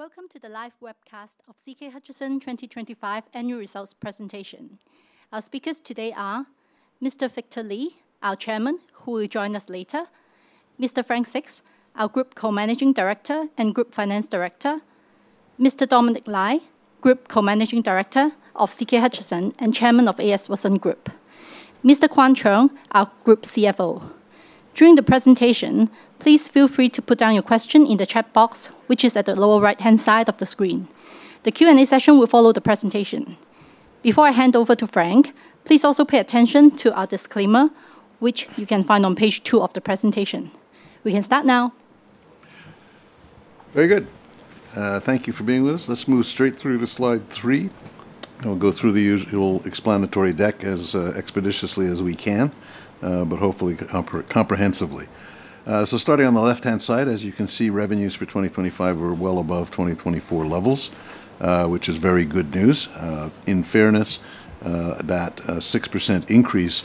Welcome to the live webcast of CK Hutchison 2025 Annual Results Presentation. Our speakers today are Mr. Victor Li, our chairman, who will join us later. Mr. Frank Sixt, our Group Co-Managing Director and Group Finance Director. Mr. Dominic Lai, Group Co-Managing Director of CK Hutchison and Chairman of A.S. Watson Group. Mr. Kwan Cheung, our Group CFO. During the presentation, please feel free to put down your question in the chat box, which is at the lower right-hand side of the screen. The Q&A session will follow the presentation. Before I hand over to Frank, please also pay attention to our disclaimer, which you can find on page two of the presentation. We can start now. Very good. Thank you for being with us. Let's move straight through to slide 3, and we'll go through the usual explanatory deck as expeditiously as we can, but hopefully comprehensively. Starting on the left-hand side, as you can see, revenues for 2025 were well above 2024 levels, which is very good news. In fairness, that 6% increase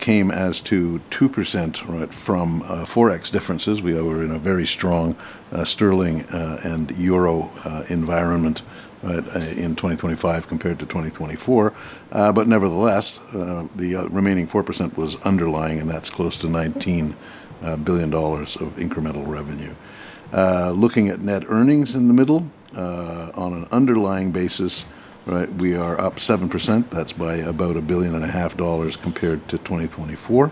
came about 2%, right, from Forex differences. We were in a very strong sterling and euro environment, right, in 2025 compared to 2024. Nevertheless, the remaining 4% was underlying, and that's close to 19 billion dollars of incremental revenue. Looking at net earnings in the middle, on an underlying basis, right, we are up 7%. That's by about 1.5 billion compared to 2024.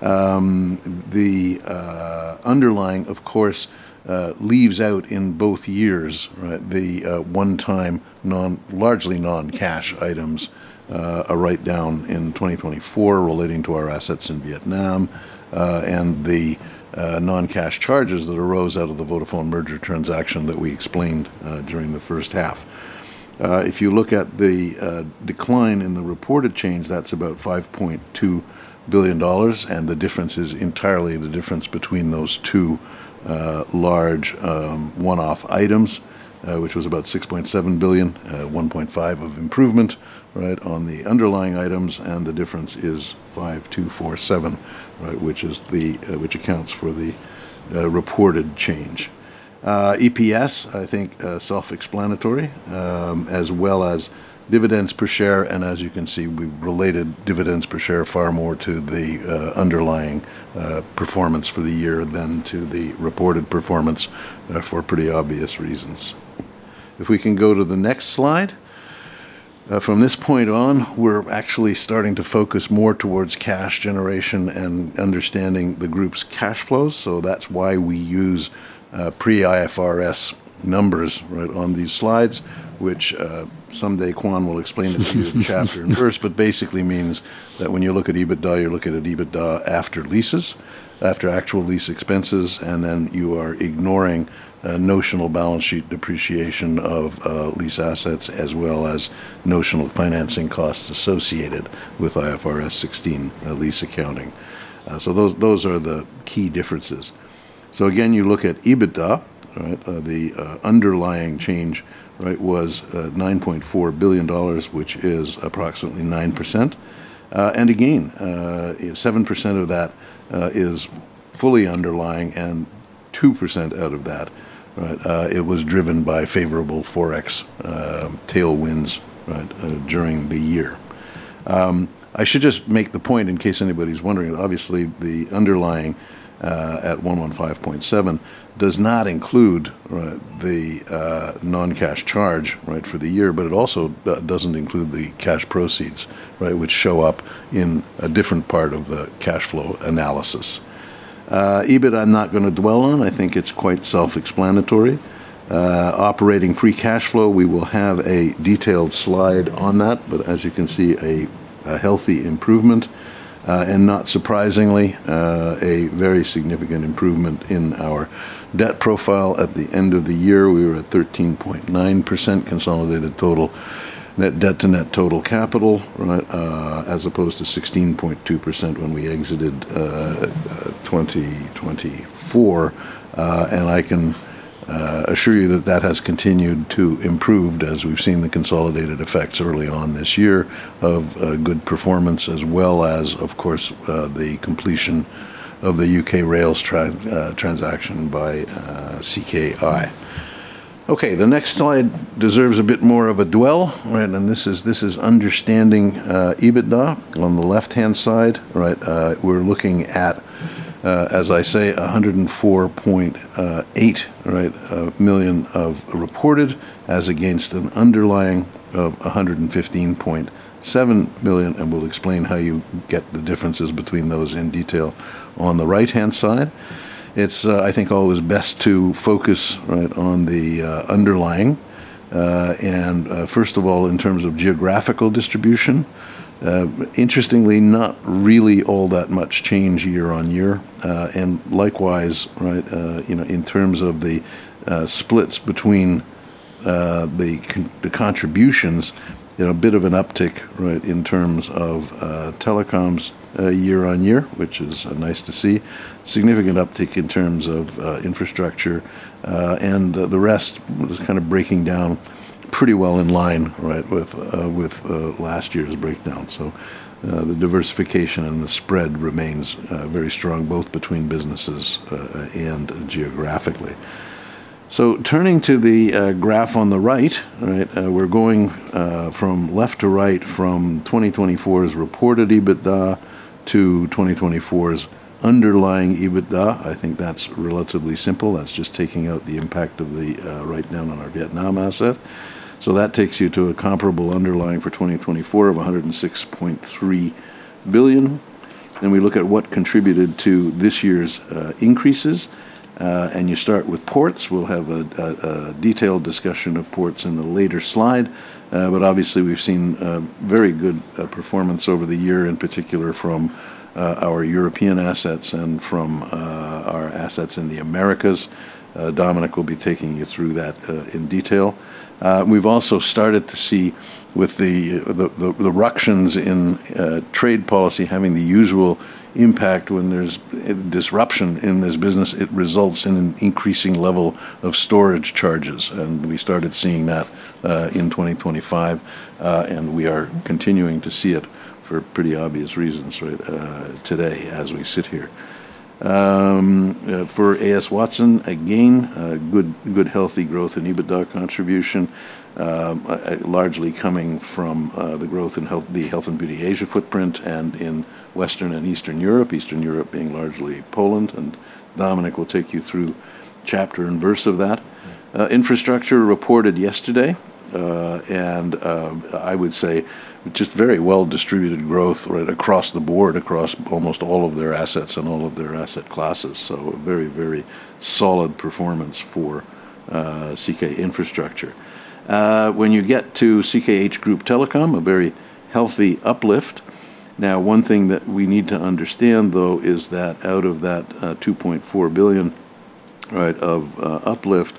The underlying, of course, leaves out in both years, right, the one-time largely non-cash items, a write down in 2024 relating to our assets in Vietnam, and the non-cash charges that arose out of the Vodafone merger transaction that we explained during the first half. If you look at the decline in the reported change, that's about 5.2 billion dollars, and the difference is entirely the difference between those two large one-off items, which was about 6.7 billion, 1.5 billion of improvement, right, on the underlying items, and the difference is 5.2 billion, 4.7 billion, right, which accounts for the reported change. EPS, I think, self-explanatory, as well as dividends per share, and as you can see, we've related dividends per share far more to the underlying performance for the year than to the reported performance for pretty obvious reasons. If we can go to the next slide. From this point on, we're actually starting to focus more towards cash generation and understanding the group's cash flows. That's why we use pre-IFRS numbers, right, on these slides, which someday Kwan will explain the chapter and verse, but basically means that when you look at EBITDA, you're looking at EBITDA after leases, after actual lease expenses, and then you are ignoring notional balance sheet depreciation of lease assets as well as notional financing costs associated with IFRS 16 lease accounting. Those are the key differences. Again, you look at EBITDA, right? The underlying change, right, was 9.4 billion dollars, which is approximately 9%. 7% of that is fully underlying, and 2% out of that, right, it was driven by favorable Forex tailwinds, right, during the year. I should just make the point in case anybody's wondering. Obviously, the underlying at 115.7 billion does not include, right, the non-cash charge for the year, but it also doesn't include the cash proceeds, which show up in a different part of the cash flow analysis. EBIT I'm not gonna dwell on. I think it's quite self-explanatory. Operating free cash flow, we will have a detailed slide on that. As you can see, a healthy improvement, and not surprisingly, a very significant improvement in our debt profile. At the end of the year, we were at 13.9% consolidated total net debt to net total capital, right, as opposed to 16.2% when we exited 2024. I can assure you that that has continued to improved as we've seen the consolidated effects early on this year of good performance as well as, of course, the completion of the U.K. Rails transaction by CKI. Okay, the next slide deserves a bit more of a dwell, right? This is understanding EBITDA on the left-hand side, right? We're looking at, as I say, 104.8 billion reported as against an underlying of 115.7 billion, and we'll explain how you get the differences between those in detail on the right-hand side. It's, I think, always best to focus, right, on the underlying. First of all, in terms of geographical distribution, interestingly, not really all that much change year-on-year. Likewise, right, you know, in terms of the splits between the contributions, you know, a bit of an uptick, right, in terms of telecoms year-on-year, which is nice to see. Significant uptick in terms of infrastructure, and the rest was kind of breaking down. Pretty well in line, right, with last year's breakdown. The diversification and the spread remains very strong both between businesses and geographically. Turning to the graph on the right, we're going from left to right from 2024's reported EBITDA to 2024's underlying EBITDA. I think that's relatively simple. That's just taking out the impact of the write-down on our Vietnam asset. That takes you to a comparable underlying for 2024 of 106.3 billion. We look at what contributed to this year's increases, and you start with ports. We'll have a detailed discussion of ports in a later slide, but obviously we've seen very good performance over the year, in particular from our European assets and from our assets in the Americas. Dominic will be taking you through that in detail. We've also started to see the ructions in trade policy having the usual impact when there's disruption in this business. It results in an increasing level of storage charges, and we started seeing that in 2025. We are continuing to see it for pretty obvious reasons, right, today as we sit here. For A.S. Watson, again, a good healthy growth in EBITDA contribution, largely coming from the growth in health. The health & beauty Asia footprint and in Western and Eastern Europe, Eastern Europe being largely Poland, and Dominic will take you through chapter and verse of that. Infrastructure reported yesterday, and I would say just very well-distributed growth right across the board, across almost all of their assets and all of their asset classes. A very, very solid performance for CK Infrastructure. When you get to CK Hutchison Group Telecom, a very healthy uplift. Now, one thing that we need to understand though is that out of that 2.4 billion right of uplift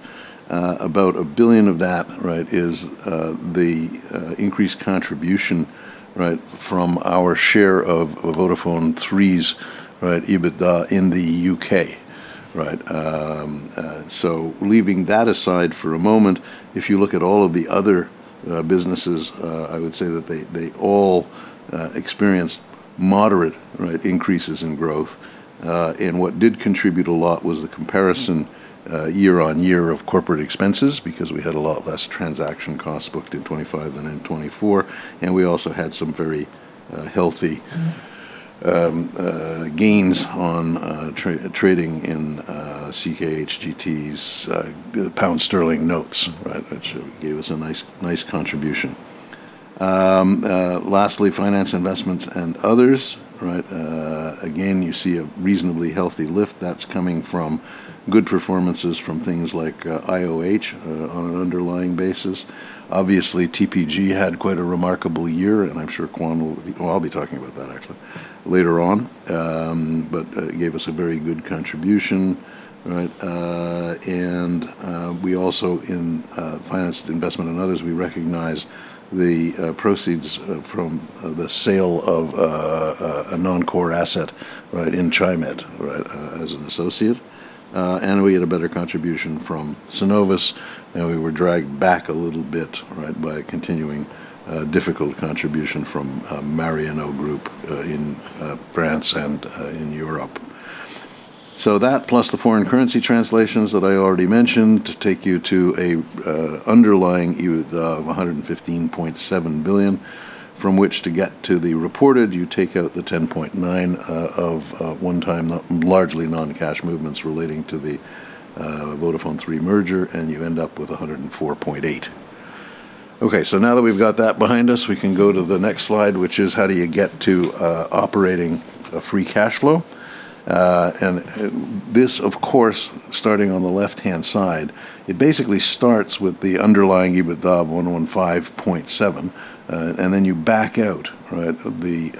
about 1 billion of that right is the increased contribution right from our share of VodafoneThree's right EBITDA in the U.K. right. Leaving that aside for a moment, if you look at all of the other businesses, I would say that they all experienced moderate, right, increases in growth. What did contribute a lot was the comparison year-over-year of corporate expenses, because we had a lot less transaction costs booked in 2025 than in 2024, and we also had some very healthy gains on trading in CKHGT's pound sterling notes, right, which gave us a nice contribution. Lastly, finance investments and others, right? Again, you see a reasonably healthy lift that's coming from good performances from things like IOH on an underlying basis. Obviously, TPG had quite a remarkable year, and I'm sure Kwan will. Well, I'll be talking about that actually later on. But it gave us a very good contribution, right? And we also in finance investment and others, we recognized the proceeds from the sale of a non-core asset, right, in Chi-Med, right, as an associate. We had a better contribution from Cenovus, and we were dragged back a little bit, right, by a continuing difficult contribution from Marionnaud Group in France and in Europe. That plus the foreign currency translations that I already mentioned take you to an underlying EBITDA of 115.7 billion, from which to get to the reported, you take out the 10.9 billion of one-time, largely non-cash movements relating to the VodafoneThree merger, and you end up with 104.8 billion. Okay, now that we've got that behind us, we can go to the next slide, which is how do you get to operating free cash flow? This, of course, starting on the left-hand side, it basically starts with the underlying EBITDA of 115.7 billion, and then you back out, right, the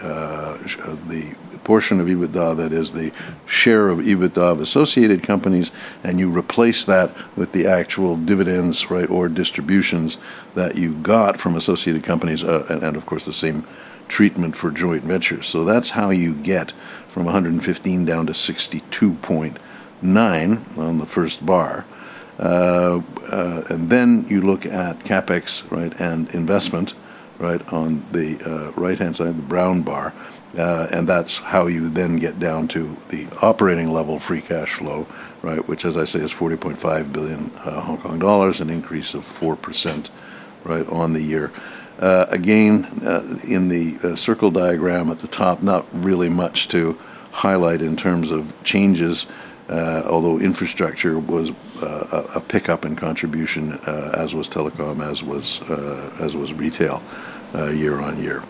portion of EBITDA that is the share of EBITDA of associated companies, and you replace that with the actual dividends, right, or distributions that you got from associated companies, and, of course, the same treatment for joint ventures. That's how you get from 115 billion down to 62.9 billion on the first bar. You look at CapEx, right, and investment, right, on the right-hand side, the brown bar, and that's how you then get down to the operating level free cash flow, right, which as I say is 40.5 billion Hong Kong dollars, an increase of 4% on the year. Again, in the circle diagram at the top, not really much to highlight in terms of changes, although infrastructure was a pickup in contribution, as was telecom, as was retail, year-on-year.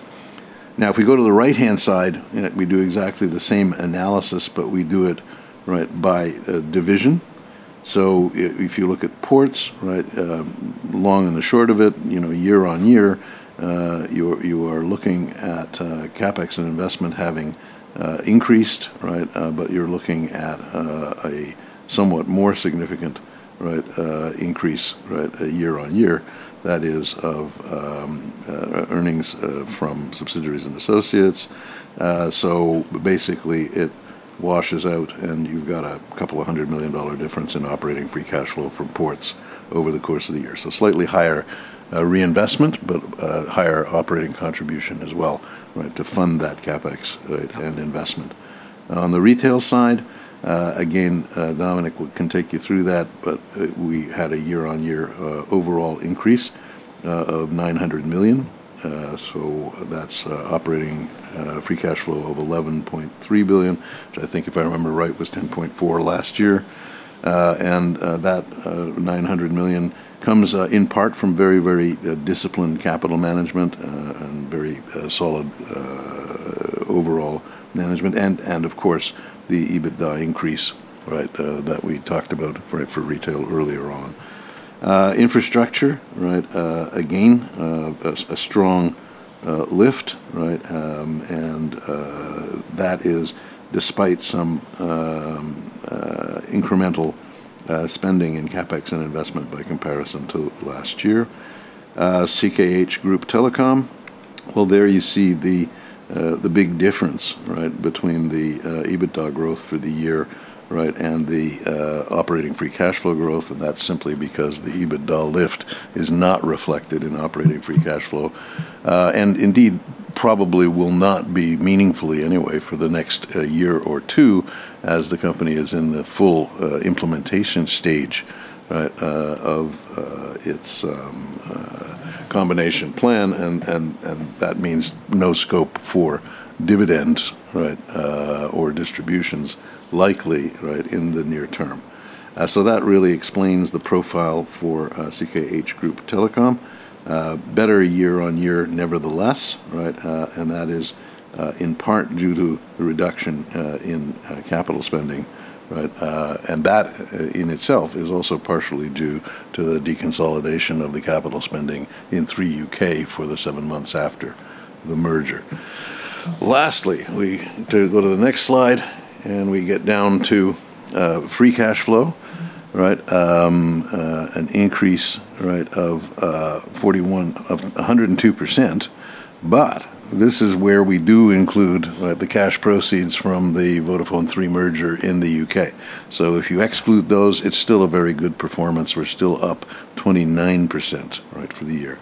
Now, if we go to the right-hand side, we do exactly the same analysis, but we do it by division. If you look at ports, right, long and the short of it, you know, year-on-year, you are looking at CapEx and investment having increased, right? But you are looking at a somewhat more significant right, increase, right, year-on-year that is of earnings from subsidiaries and associates. Basically it washes out and you have got a couple of hundred million dollar difference in operating free cash flow from ports over the course of the year. Slightly higher reinvestment, but higher operating contribution as well, right, to fund that CapEx, right, and investment. On the retail side, again, Dominic can take you through that, but we had a year-on-year overall increase of 900 million. That's operating free cash flow of 11.3 billion, which I think if I remember right, was 10.4 billion last year. That 900 million comes in part from very disciplined capital management and very solid overall management and of course, the EBITDA increase, right, that we talked about, right, for retail earlier on. Infrastructure, right, again, a strong lift, right, and that is despite some incremental spending in CapEx and investment by comparison to last year. CK Hutchison Group Telecom, well, there you see the big difference, right, between the EBITDA growth for the year, right, and the operating free cash flow growth, and that's simply because the EBITDA lift is not reflected in operating free cash flow. Indeed, probably will not be meaningfully anyway for the next year or two as the company is in the full implementation stage, right, of its combination plan and that means no scope for dividends, right, or distributions likely, right, in the near term. That really explains the profile for CK Hutchison Group Telecom. Better year-on-year nevertheless, right, and that is in part due to the reduction in capital spending, right, and that in itself is also partially due to the deconsolidation of the capital spending in Three UK for the seven months after the merger. Lastly, we go to the next slide, and we get down to free cash flow, right? An increase, right, of 102%, but this is where we do include, right, the cash proceeds from the VodafoneThree merger in the U.K. So if you exclude those, it's still a very good performance. We're still up 29%, right, for the year.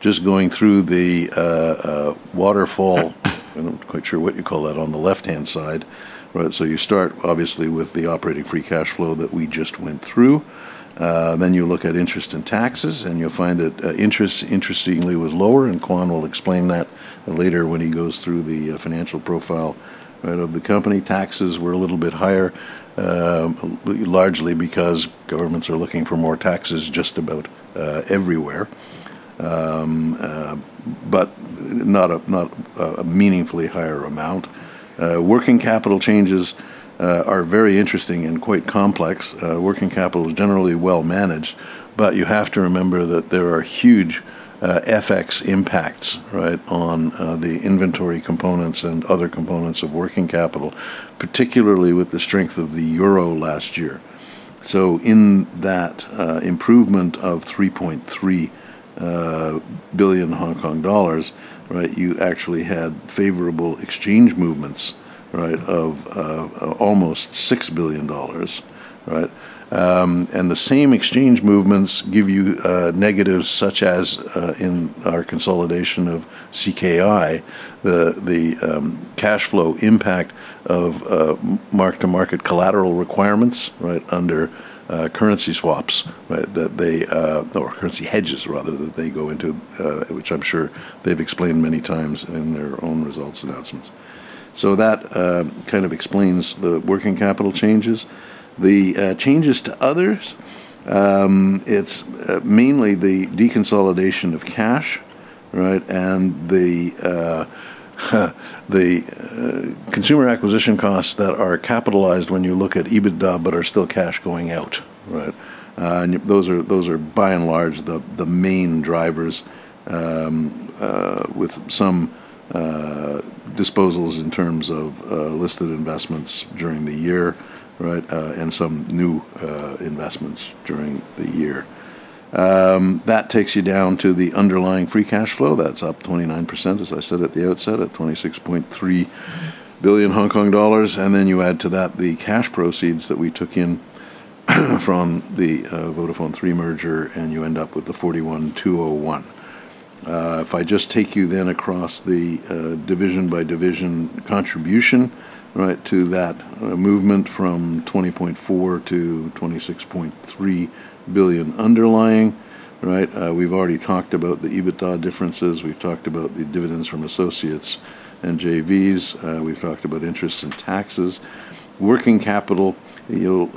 Just going through the waterfall, I'm not quite sure what you call that on the left-hand side, right? You start obviously with the operating free cash flow that we just went through. Then you look at interest and taxes, and you'll find that interest interestingly was lower, and Kwan will explain that later when he goes through the financial profile, right, of the company. Taxes were a little bit higher, largely because governments are looking for more taxes just about everywhere, but not a meaningfully higher amount. Working capital changes are very interesting and quite complex. Working capital is generally well managed, but you have to remember that there are huge FX impacts, right, on the inventory components and other components of working capital, particularly with the strength of the euro last year. In that improvement of 3.3 billion Hong Kong dollars, right, you actually had favorable exchange movements, right, of almost 6 billion dollars, right? The same exchange movements give you negatives such as in our consolidation of CKI, the cash flow impact of mark-to-market collateral requirements, right, under currency swaps, right, that they or currency hedges rather, that they go into, which I'm sure they've explained many times in their own results announcements. That kind of explains the working capital changes. The changes to others, it's mainly the deconsolidation of cash, right, and the consumer acquisition costs that are capitalized when you look at EBITDA, but are still cash going out, right? Those are by and large the main drivers with some disposals in terms of listed investments during the year, right, and some new investments during the year. That takes you down to the underlying free cash flow. That's up 29%, as I said at the outset, at 26.3 billion Hong Kong dollars. You add to that the cash proceeds that we took in from the VodafoneThree merger, and you end up with the 41.201 billion. If I just take you across the division by division contribution, right, to that movement from 20.4 billion to 26.3 billion underlying, right? We've already talked about the EBITDA differences. We've talked about the dividends from associates and JVs. We've talked about interest and taxes. Working capital, you'll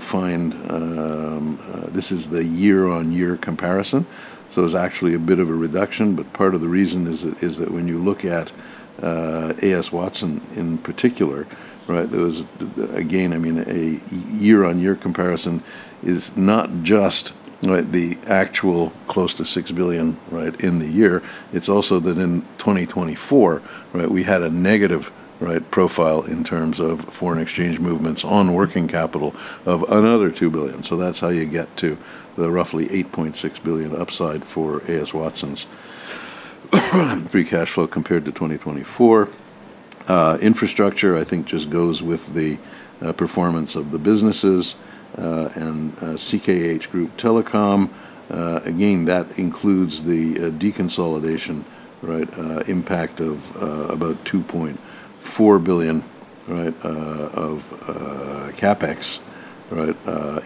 find this is the year-over-year comparison. It's actually a bit of a reduction, but part of the reason is that when you look at A.S. Watson in particular, right, those, again, I mean, a year-over-year comparison is not just, right, the actual close to 6 billion in the year. It's also that in 2024, we had a negative, right, profile in terms of foreign exchange movements on working capital of another 2 billion. That's how you get to the roughly 8.6 billion upside for A.S. Watson's free cash flow compared to 2024. Infrastructure, I think, just goes with the performance of the businesses. CK Hutchison Group Telecom, again, that includes the deconsolidation impact of about 2.4 billion of CapEx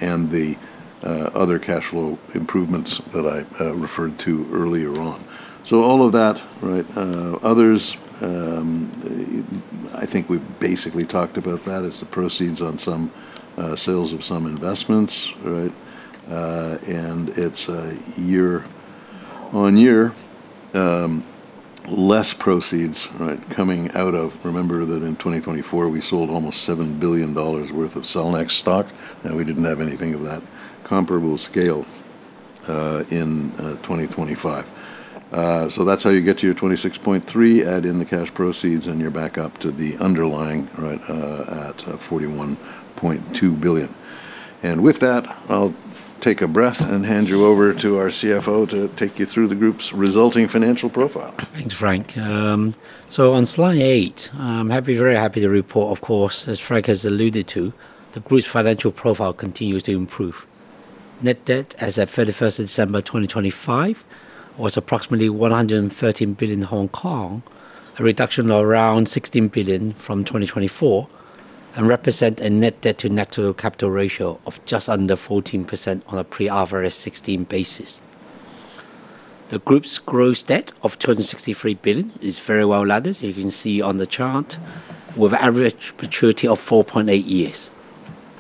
and the other cash flow improvements that I referred to earlier on. All of that. Others, I think we've basically talked about that. It's the proceeds on some sales of some investments. It's year-on-year less proceeds coming out of. Remember that in 2024, we sold almost 7 billion dollars worth of Cellnex stock, and we didn't have anything of that comparable scale in 2025. That's how you get to your 26.3 billion. Add in the cash proceeds, and you're back up to the underlying at 41.2 billion. With that, I'll take a breath and hand you over to our CFO to take you through the group's resulting financial profile. Thanks, Frank. So on slide 8, I'm happy, very happy to report, of course, as Frank has alluded to, the group's financial profile continues to improve. Net debt as at 31st December 2025 was approximately 113 billion Hong Kong, a reduction of around 16 billion from 2024, and represent a net debt to net total capital ratio of just under 14% on a pre-IFRS 16 basis. The group's gross debt of 263 billion is very well laddered, as you can see on the chart, with average maturity of 4.8 years.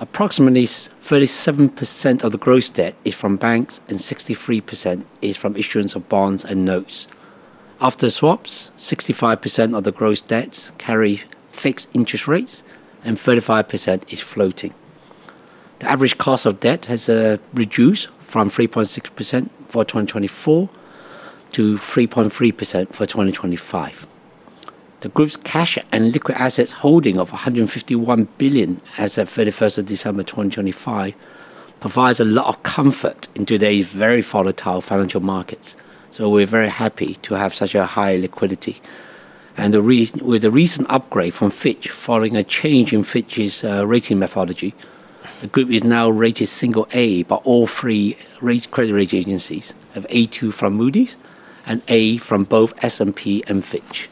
Approximately 37% of the gross debt is from banks and 63% is from issuance of bonds and notes. After swaps, 65% of the gross debt carry fixed interest rates and 35% is floating. The average cost of debt has reduced from 3.6% for 2024 to 3.3% for 2025. The group's cash and liquid assets holding of 151 billion as at 31st of December 2025 provides a lot of comfort in today's very volatile financial markets. We're very happy to have such a high liquidity. With the recent upgrade from Fitch following a change in Fitch's rating methodology, the group is now rated A by all three credit rating agencies, A2 from Moody's and A from both S&P and Fitch.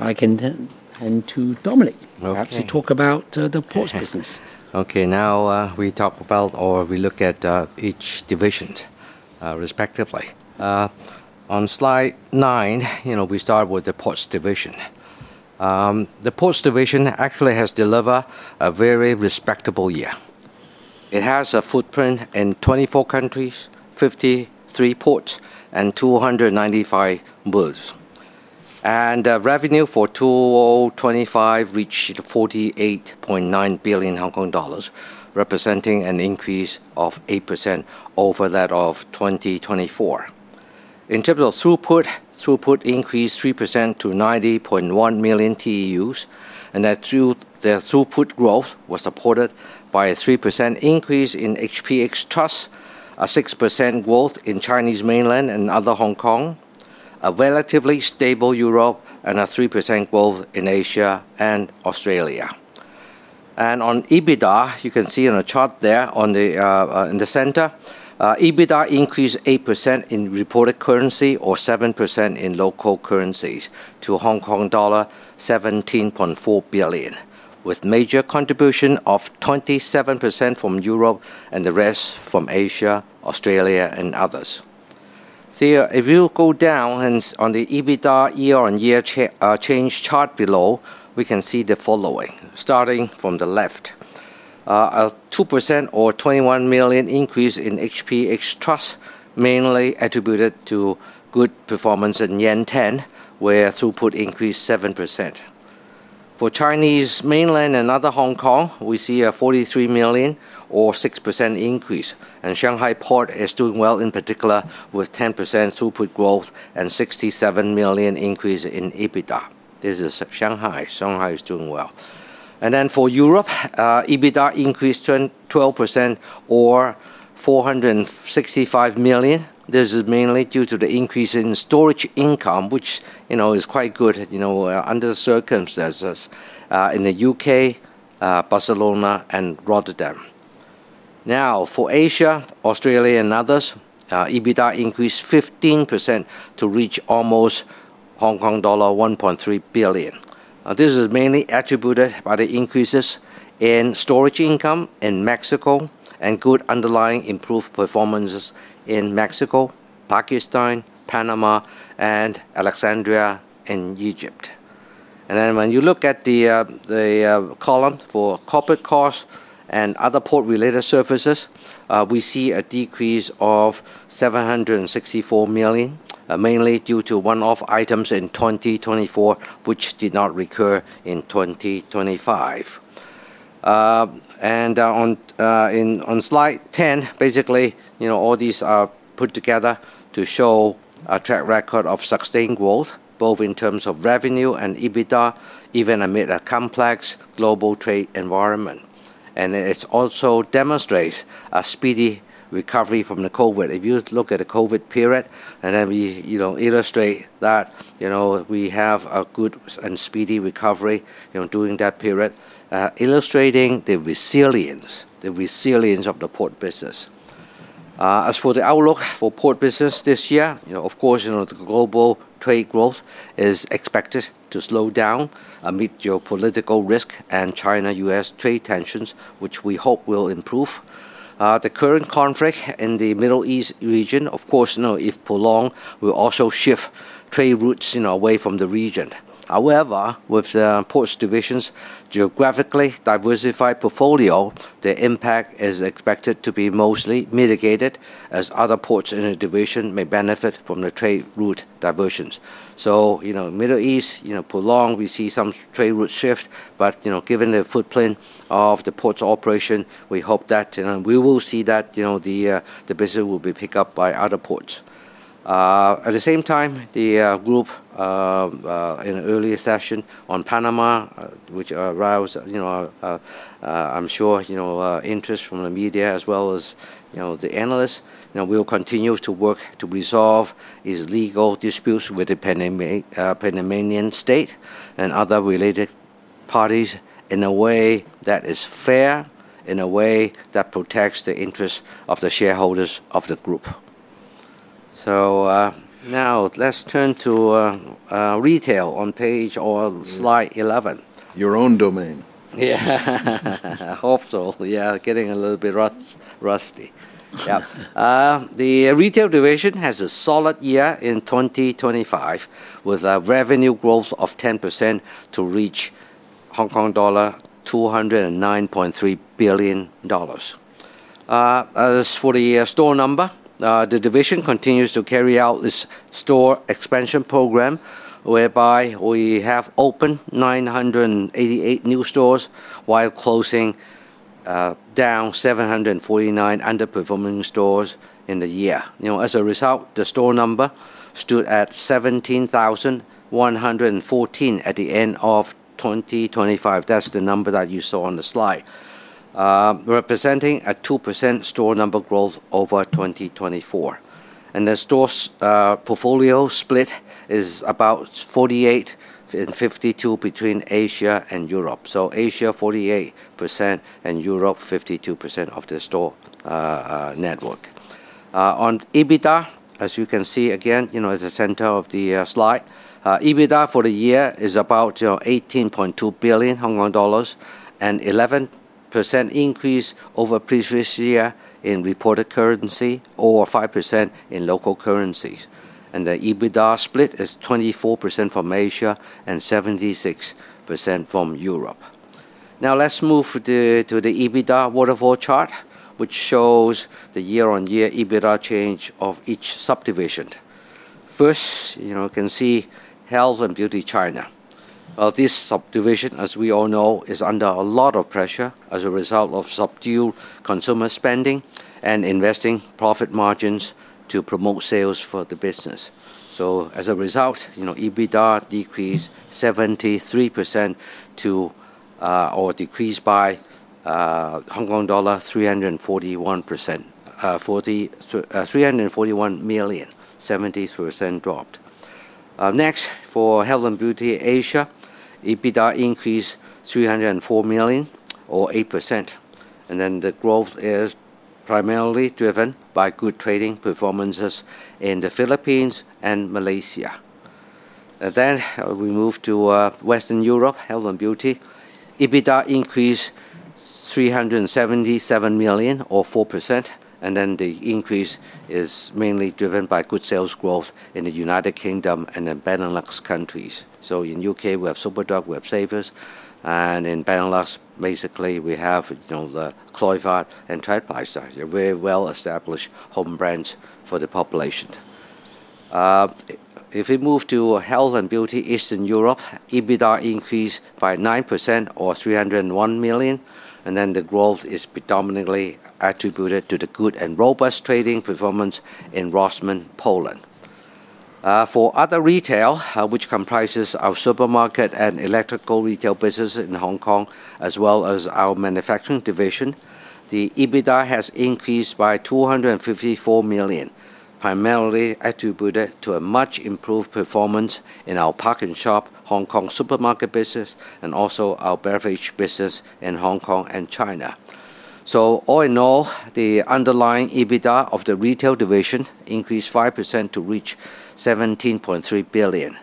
If I can then hand to Dominic to talk about the ports business. Okay. Now, we talk about or we look at each divisions respectively. On slide nine, you know, we start with the ports division. The ports division actually has delivered a very respectable year. It has a footprint in 24 countries, 53 ports, and 295 berths. Revenue for 2025 reached 48.9 billion Hong Kong dollars, representing an increase of 8% over that of 2024. In terms of throughput increased 3% to 90.1 million TEUs, and the throughput growth was supported by a 3% increase in HPH Trust, a 6% growth in Chinese mainland and other Hong Kong, a relatively stable Europe, and a 3% growth in Asia and Australia. On EBITDA, you can see on the chart there in the center, EBITDA increased 8% in reported currency or 7% in local currencies to Hong Kong dollar 17.4 billion, with major contribution of 27% from Europe and the rest from Asia, Australia, and others. Yeah, if you go down and on the EBITDA year-on-year change chart below, we can see the following, starting from the left. A 2% or 21 million increase in HPH Trust, mainly attributed to good performance in Yantian, where throughput increased 7%. For Chinese mainland and other Hong Kong, we see a 43 million or 6% increase, and Shanghai port is doing well, in particular, with 10% throughput growth and 67 million increase in EBITDA. This is Shanghai. Shanghai is doing well. For Europe, EBITDA increased 12% or 465 million. This is mainly due to the increase in storage income, which, you know, is quite good, you know, under the circumstances, in the U.K., Barcelona, and Rotterdam. Now, for Asia, Australia, and others, EBITDA increased 15% to reach almost Hong Kong dollar 1.3 billion. This is mainly attributed by the increases in storage income in Mexico and good underlying improved performances in Mexico, Pakistan, Panama, and Alexandria in Egypt. When you look at the column for corporate costs and other port-related services, we see a decrease of 764 million, mainly due to one-off items in 2024 which did not recur in 2025. On slide ten, basically, you know, all these are put together to show a track record of sustained growth, both in terms of revenue and EBITDA, even amid a complex global trade environment. It also demonstrates a speedy recovery from the COVID. If you look at the COVID period, and then we, you know, illustrate that, you know, we have a good and speedy recovery, you know, during that period, illustrating the resilience of the port business. As for the outlook for port business this year, you know, of course, you know, the global trade growth is expected to slow down amid geopolitical risk and China-U.S. trade tensions, which we hope will improve. The current conflict in the Middle East region, of course, you know, if prolonged, will also shift trade routes, you know, away from the region. However, with the ports division's geographically diversified portfolio, the impact is expected to be mostly mitigated as other ports in the division may benefit from the trade route diversions. You know, Middle East, you know, prolonged, we see some trade route shift but, you know, given the footprint of the ports operation, we hope that, you know, we will see that, you know, the business will be picked up by other ports. At the same time, the group in an earlier session on Panama, which aroused, you know, I'm sure, you know, interest from the media as well as the analysts, you know, we'll continue to work to resolve these legal disputes with the Panamanian state and other related parties in a way that is fair, in a way that protects the interest of the shareholders of the group. Now let's turn to retail on page or slide 11. The retail division has a solid year in 2025, with a revenue growth of 10% to reach 209.3 billion dollars. As for the store number, the division continues to carry out this store expansion program whereby we have opened 988 new stores while closing down 749 underperforming stores in the year. You know, as a result, the store number stood at 17,114 at the end of 2025. That's the number that you saw on the slide. Representing a 2% store number growth over 2024. The stores portfolio split is about 48% and 52% between Asia and Europe. Asia, 48%, and Europe, 52% of the store network. On EBITDA, as you can see again, you know, at the center of the slide, EBITDA for the year is about, you know, 18.2 billion Hong Kong dollars, an 11% increase over previous year in reported currency, or 5% in local currencies. The EBITDA split is 24% from Asia and 76% from Europe. Now let's move to the EBITDA waterfall chart, which shows the year-on-year EBITDA change of each subdivision. First, you know, you can see Health and Beauty China. Well, this subdivision, as we all know, is under a lot of pressure as a result of subdued consumer spending and sacrificing profit margins to promote sales for the business. As a result, you know, EBITDA decreased 73% to 341 million. For Health and Beauty Asia, EBITDA increased 304 million or 8%. The growth is primarily driven by good trading performances in the Philippines and Malaysia. We move to Western Europe Health and Beauty. EBITDA increased 377 million or 4%. The increase is mainly driven by good sales growth in the United Kingdom and the Benelux countries. In U.K., we have Superdrug, we have Savers, and in Benelux, basically, we have, you know, the Kruidvat and Trekpleister. They're very well-established home brands for the population. If we move to Health and Beauty Eastern Europe, EBITDA increased by 9% or 301 million, and then the growth is predominantly attributed to the good and robust trading performance in Rossmann Poland. For other retail, which comprises our supermarket and electrical retail business in Hong Kong, as well as our manufacturing division, the EBITDA has increased by 254 million, primarily attributed to a much improved performance in our PARKnSHOP Hong Kong supermarket business and also our beverage business in Hong Kong and China. All in all, the underlying EBITDA of the retail division increased 5% to reach 17.3 billion.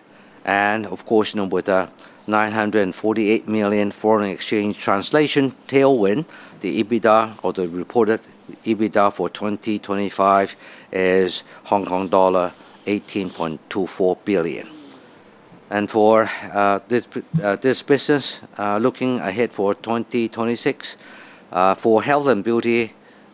Of course, you know, with a 948 million foreign exchange translation tailwind, the EBITDA or the reported EBITDA for 2025 is Hong Kong dollar 18.24 billion. For this business, looking ahead for 2026, for Health and Beauty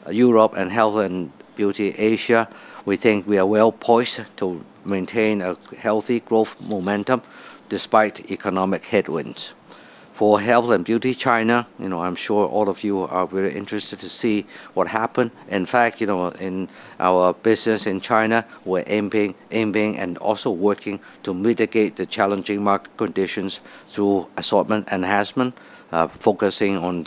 Europe and Health and Beauty Asia, we think we are well-poised to maintain a healthy growth momentum despite economic headwinds. For Health and Beauty China, I'm sure all of you are very interested to see what happened. In fact, you know, in our business in China, we're aiming and also working to mitigate the challenging market conditions through assortment enhancement, focusing on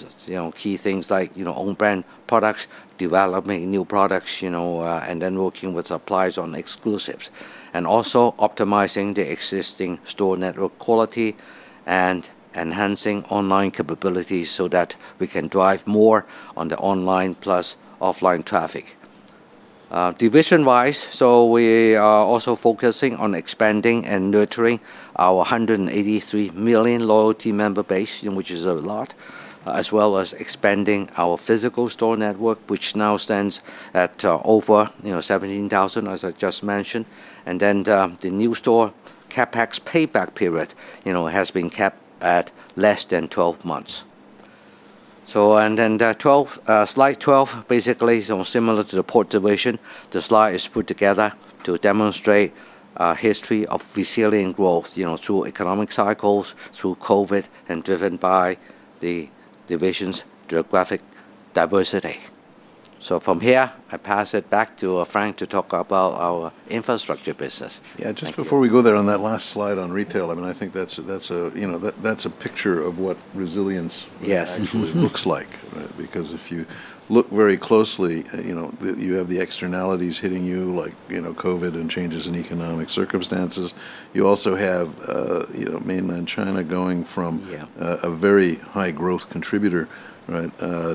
key things like, you know, own brand products, developing new products, you know, and then working with suppliers on exclusives. Also optimizing the existing store network quality and enhancing online capabilities so that we can drive more on the online plus offline traffic. Division-wise, we are also focusing on expanding and nurturing our 183 million loyalty member base, you know, which is a lot, as well as expanding our physical store network, which now stands at over 17,000 as I just mentioned. The new store CapEx payback period, you know, has been capped at less than 12 months. Slide 12 basically is similar to the port division. The slide is put together to demonstrate our history of resilient growth, you know, through economic cycles, through COVID, and driven by the division's geographic diversity. From here, I pass it back to Frank to talk about our infrastructure business. Thank you. Just before we go there, on that last slide on retail, I mean, I think that's a, you know, that's a picture of what resilience actually looks like, right? Because if you look very closely, you know, you have the externalities hitting you like, you know, COVID and changes in economic circumstances. You also have, you know, Mainland China going from a very high growth contributor, right,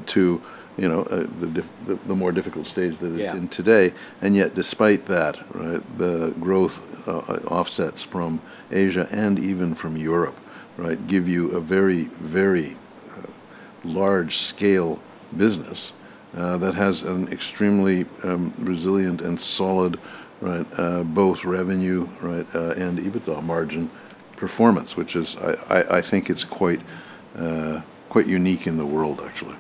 to, you know, the more difficult stage that it's in today. Yet despite that, right, the growth offsets from Asia and even from Europe, right, give you a very, very large scale business that has an extremely resilient and solid, right, both revenue, right, and EBITDA margin performance, which is, I think, it's quite unique in the world actually.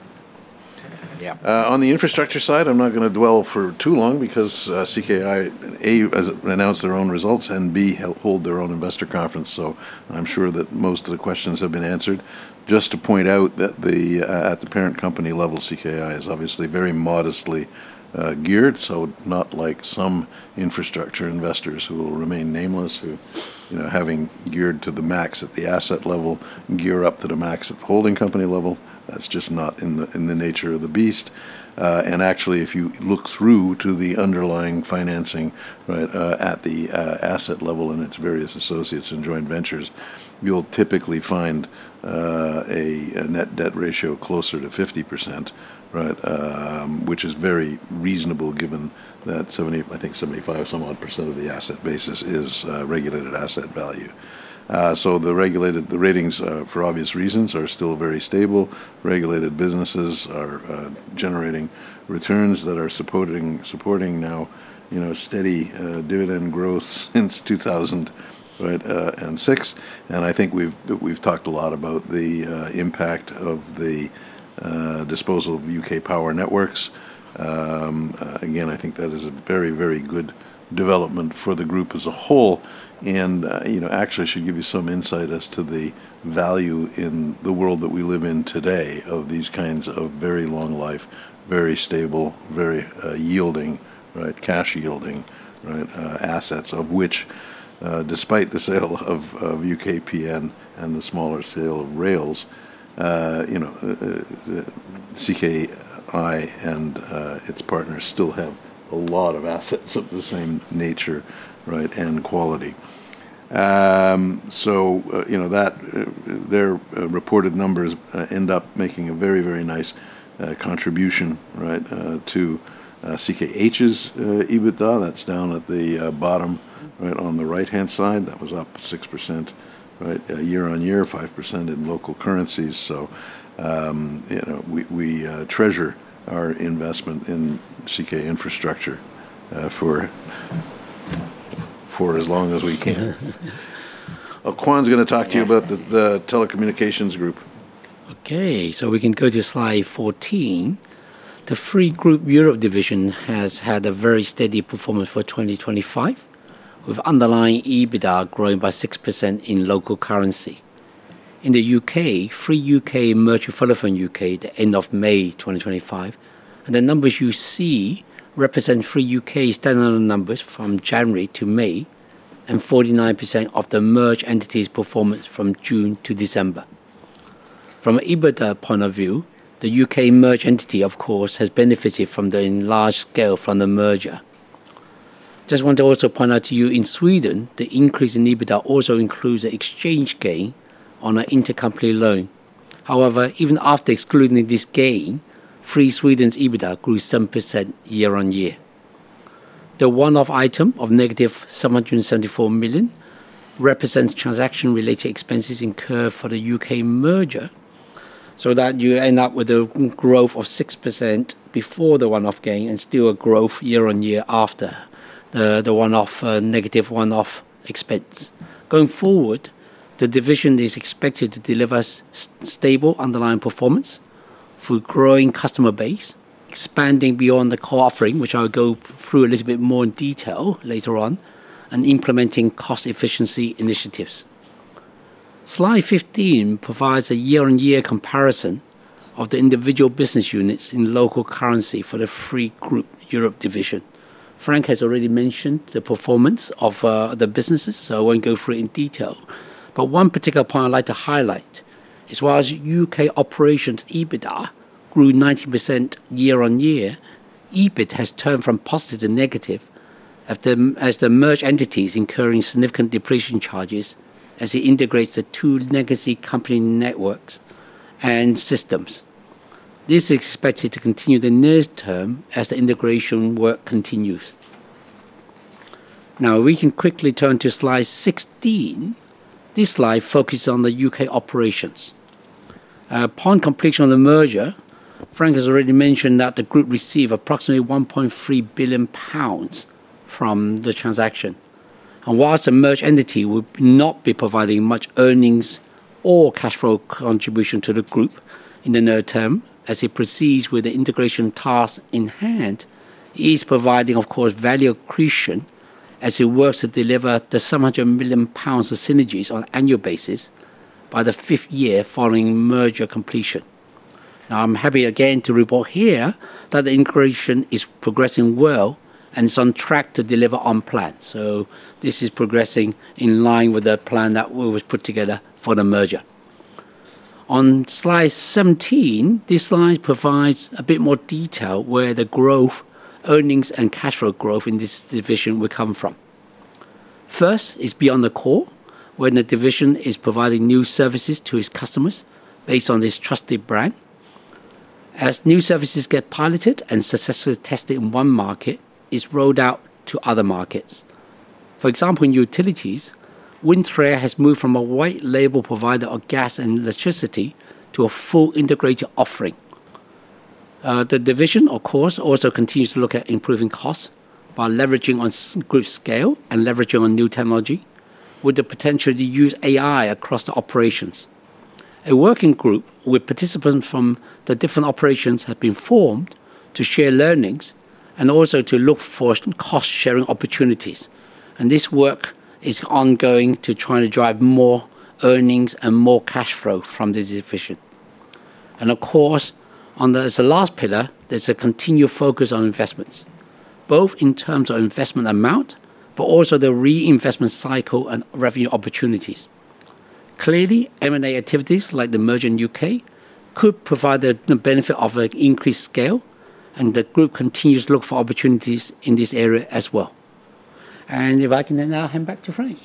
On the infrastructure side, I'm not gonna dwell for too long because CKI has announced their own results and they hold their own investor conference, so I'm sure that most of the questions have been answered. Just to point out that at the parent company level, CKI is obviously very modestly geared, so not like some infrastructure investors who will remain nameless, who, you know, having geared to the max at the asset level, gear up to the max at the holding company level. That's just not in the nature of the beast. And actually, if you look through to the underlying financing, right, at the asset level and its various associates and joint ventures, you'll typically find a net debt ratio closer to 50%, right? Which is very reasonable given that 75% or so of the asset basis is regulated asset value. So the ratings, for obvious reasons, are still very stable. Regulated businesses are generating returns that are supporting now, you know, steady dividend growth since 2006. I think we've talked a lot about the impact of the disposal of UK Power Networks. Again, I think that is a very, very good development for the group as a whole. You know, actually I should give you some insight as to the value in the world that we live in today of these kinds of very long life, very stable, very yielding, right, cash yielding, right, assets, of which, despite the sale of UKPN and the smaller sale of Rails, you know, CKI and its partners still have a lot of assets of the same nature, right, and quality. You know, that their reported numbers end up making a very, very nice contribution, right, to CKH's EBITDA. That's down at the bottom, right, on the right-hand side. That was up 6%, right, year-over-year, 5% in local currencies. You know, we treasure our investment in CK Infrastructure for as long as we can. Well, Kwan's gonna talk to you about the telecommunications group. Okay. We can go to slide 14. The Three Group Europe division has had a very steady performance for 2025, with underlying EBITDA growing by 6% in local currency. In the U.K., Three UK merged with Vodafone UK the end of May 2025, and the numbers you see represent Three UK's standalone numbers from January to May, and 49% of the merged entity's performance from June to December. From an EBITDA point of view, the U.K. merged entity of course has benefited from the enlarged scale from the merger. Just want to also point out to you in Sweden, the increase in EBITDA also includes the exchange gain on an intercompany loan. However, even after excluding this gain, Three Sweden's EBITDA grew 7% year-on-year. The one-off item of negative 774 million represents transaction-related expenses incurred for the U.K. merger, so that you end up with a growth of 6% before the one-off gain and still a growth year-over-year after the negative one-off expense. Going forward, the division is expected to deliver stable underlying performance through growing customer base, expanding beyond the core offering, which I'll go through a little bit more in detail later on, and implementing cost efficiency initiatives. Slide 15 provides a year-over-year comparison of the individual business units in local currency for the Three Group Europe division. Frank has already mentioned the performance of the businesses, so I won't go through it in detail. One particular point I'd like to highlight is while U.K. operations EBITDA grew 19% year-on-year, EBIT has turned from positive to negative, as the merged entities are incurring significant depreciation charges as it integrates the two legacy companies networks and systems. This is expected to continue in the near term as the integration work continues. Now, we can quickly turn to slide 16. This slide focuses on the UK operations. Upon completion of the merger, Frank has already mentioned that the group received approximately 1.3 billion pounds from the transaction. While the merged entity will not be providing much earnings or cash flow contribution to the group in the near term, as it proceeds with the integration tasks in hand, it is providing, of course, value accretion as it works to deliver 700 million pounds of synergies on annual basis by the fifth year following merger completion. Now, I'm happy again to report here that the integration is progressing well and is on track to deliver on plan. This is progressing in line with the plan that we always put together for the merger. On slide 17, this slide provides a bit more detail where the growth, earnings, and cash flow growth in this division will come from. First is beyond the core, when the division is providing new services to its customers based on this trusted brand. As new services get piloted and successfully tested in one market, it's rolled out to other markets. For example, in utilities, WINDTRE has moved from a white label provider of gas and electricity to a full integrated offering. The division, of course, also continues to look at improving costs by leveraging on group scale and leveraging on new technology with the potential to use AI across the operations. A working group with participants from the different operations have been formed to share learnings and also to look for some cost-sharing opportunities. This work is ongoing to try to drive more earnings and more cash flow from this division. Of course, as the last pillar, there's a continued focus on investments, both in terms of investment amount, but also the reinvestment cycle and revenue opportunities. Clearly, M&A activities like the merger in UK could provide the benefit of a increased scale, and the group continues to look for opportunities in this area as well. If I can then now hand back to Frank.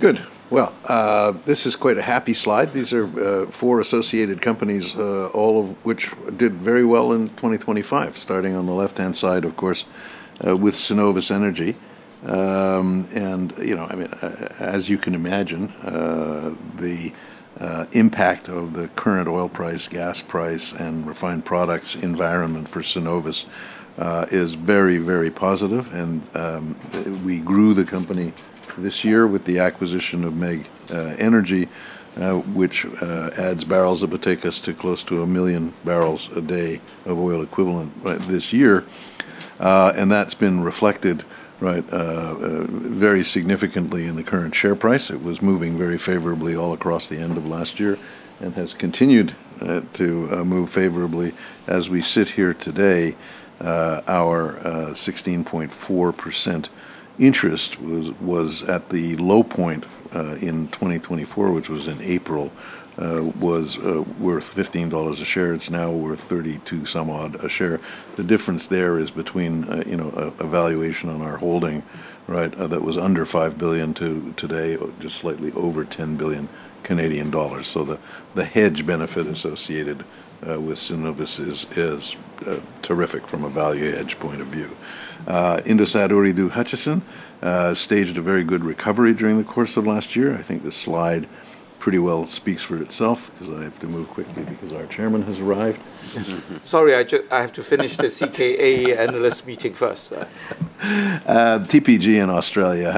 Good. Well, this is quite a happy slide. These are four associated companies all of which did very well in 2025, starting on the left-hand side, of course, with Cenovus Energy. You know, I mean, as you can imagine, the impact of the current oil price, gas price, and refined products environment for Cenovus is very, very positive. We grew the company this year with the acquisition of MEG Energy which adds barrels that would take us to close to 1 MMbpd of oil equivalent by this year. That's been reflected, right, very significantly in the current share price. It was moving very favorably all across the end of last year and has continued to move favorably as we sit here today. Our 16.4% interest was at the low point in 2024, which was in April, worth 15 dollars a share. It's now worth 32 some odd a share. The difference there is between a valuation on our holding that was under 5 billion to today, just slightly over 10 billion Canadian dollars. The hedge benefit associated with Cenovus is terrific from a value hedge point of view. Indosat Ooredoo Hutchison staged a very good recovery during the course of last year. I think the slide pretty well speaks for itself, because I have to move quickly because our chairman has arrived. Sorry, I have to finish the CKH analyst meeting first. TPG Telecom in Australia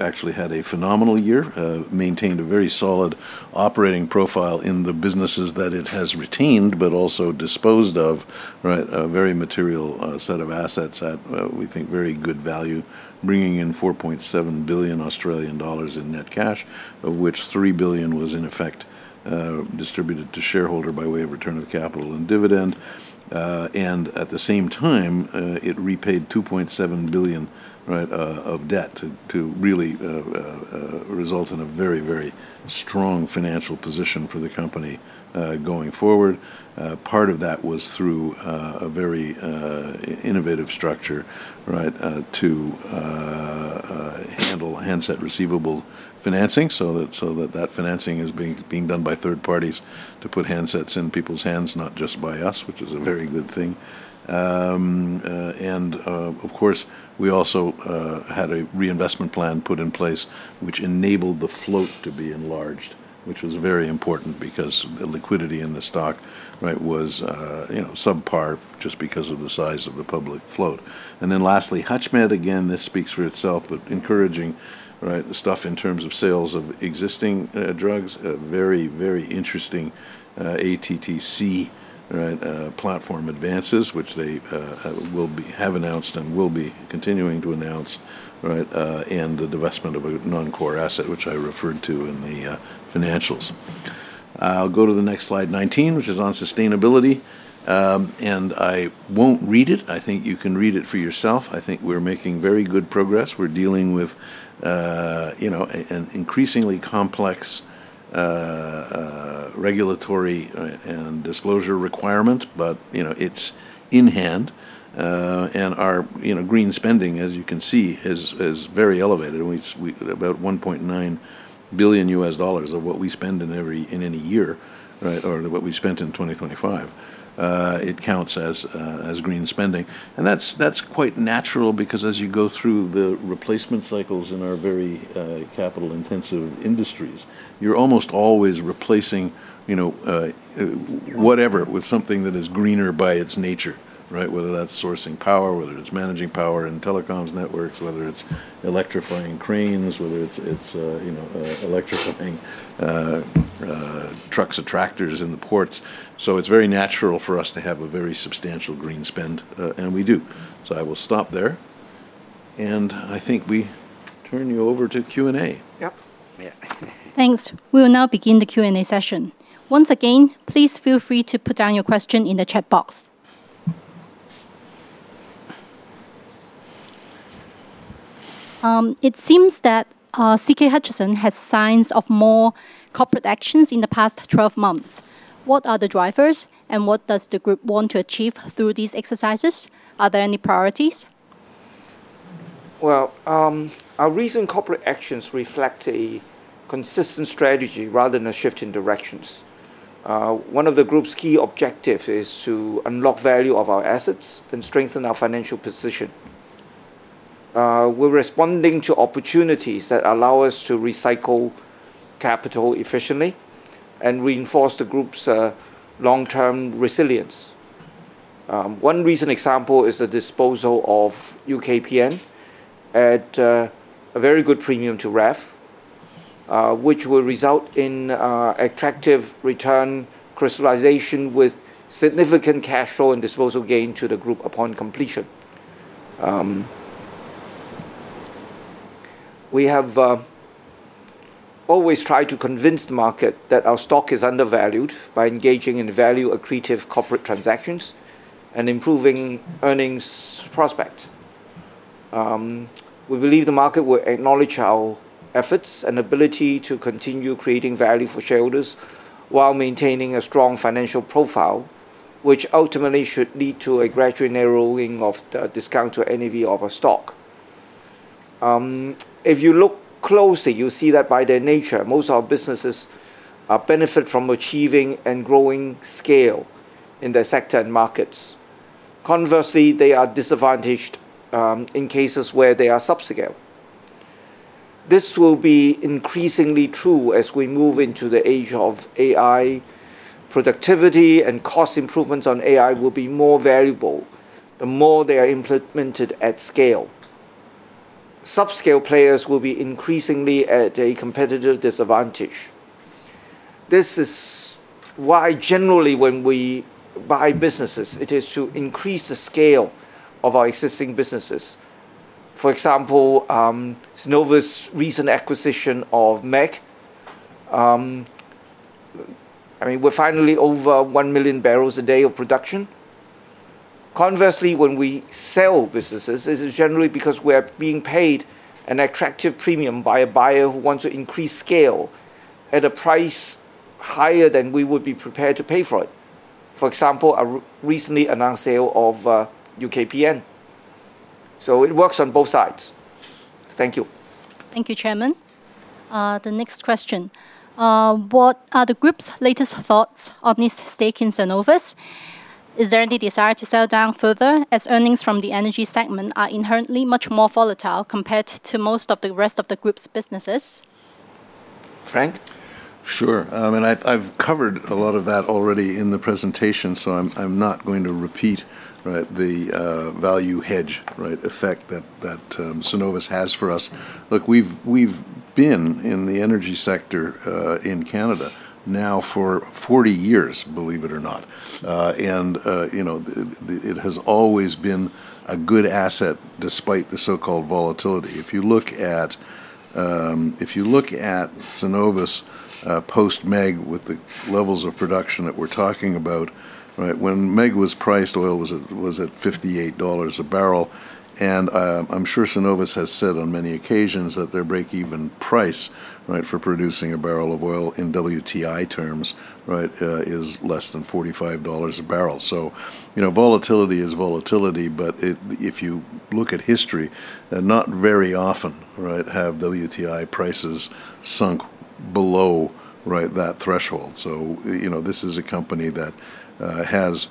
actually had a phenomenal year, maintained a very solid operating profile in the businesses that it has retained, but also disposed of a very material set of assets at we think very good value, bringing in 4.7 billion Australian dollars in net cash, of which 3 billion was in effect distributed to shareholder by way of return of capital and dividend. At the same time, it repaid 2.7 billion of debt to really result in a very, very strong financial position for the company going forward. Part of that was through a very innovative structure, right, to handle handset receivable financing so that that financing is being done by third parties to put handsets in people's hands, not just by us, which is a very good thing. Of course, we also had a reinvestment plan put in place which enabled the float to be enlarged, which was very important because the liquidity in the stock, right, was you know, subpar just because of the size of the public float. Then lastly, HUTCHMED, again, this speaks for itself, but encouraging, right, the stuff in terms of sales of existing drugs. A very, very interesting ATTC, right, platform advances, which they have announced and will be continuing to announce, right, and the divestment of a non-core asset, which I referred to in the financials. I'll go to the next slide 19, which is on sustainability. I won't read it. I think you can read it for yourself. I think we're making very good progress. We're dealing with, you know, an increasingly complex regulatory and disclosure requirement, but, you know, it's in hand. Our, you know, green spending, as you can see, is very elevated. It's about $1.9 billion of what we spend in any year, right? Or what we spent in 2025, it counts as green spending. That's quite natural because as you go through the replacement cycles in our very capital-intensive industries, you're almost always replacing, you know, whatever with something that is greener by its nature, right? Whether that's sourcing power, whether it's managing power in telecoms networks, whether it's electrifying cranes, whether it's electrifying trucks or tractors in the ports. It's very natural for us to have a very substantial green spend, and we do. I will stop there, and I think we turn you over to Q&A. Thanks. We will now begin the Q&A session. Once again, please feel free to put down your question in the chat box. It seems that CK Hutchison has seen more corporate actions in the past 12 months. What are the drivers, and what does the group want to achieve through these exercises? Are there any priorities? Well, our recent corporate actions reflect a consistent strategy rather than a shift in directions. One of the group's key objective is to unlock value of our assets and strengthen our financial position. We're responding to opportunities that allow us to recycle capital efficiently and reinforce the group's long-term resilience. One recent example is the disposal of UKPN at a very good premium to RAV, which will result in attractive return crystallization with significant cash flow and disposal gain to the group upon completion. We have always tried to convince the market that our stock is undervalued by engaging in value-accretive corporate transactions and improving earnings prospect. We believe the market will acknowledge our efforts and ability to continue creating value for shareholders while maintaining a strong financial profile, which ultimately should lead to a gradual narrowing of the discount to NAV of our stock. If you look closely, you'll see that by their nature, most of our businesses benefit from achieving and growing scale in their sector and markets. Conversely, they are disadvantaged in cases where they are subscale. This will be increasingly true as we move into the age of AI. Productivity and cost improvements on AI will be more valuable the more they are implemented at scale. Subscale players will be increasingly at a competitive disadvantage. This is why generally when we buy businesses, it is to increase the scale of our existing businesses. For example, Cenovus' recent acquisition of MEG. I mean, we're finally over 1 MMbpd of production. Conversely, when we sell businesses, this is generally because we're being paid an attractive premium by a buyer who wants to increase scale at a price higher than we would be prepared to pay for it. For example, a recently announced sale of UKPN. It works on both sides. Thank you. Thank you, Chairman. The next question. What are the group's latest thoughts on this stake in Cenovus? Is there any desire to sell down further, as earnings from the energy segment are inherently much more volatile compared to most of the rest of the group's businesses? Frank? Sure. I mean, I've covered a lot of that already in the presentation, so I'm not going to repeat, right, the value hedge, right, effect that Cenovus has for us. Look, we've been in the energy sector in Canada now for 40 years, believe it or not. You know, it has always been a good asset despite the so-called volatility. If you look at Cenovus, post-MEG with the levels of production that we're talking about, right? When MEG was priced, oil was at $58 a barrel. I'm sure Cenovus has said on many occasions that their break-even price, right, for producing a barrel of oil in WTI terms, right, is less than $45 a barrel. You know, volatility is volatility, but if you look at history, not very often, right, have WTI prices sunk below, right, that threshold. You know, this is a company that has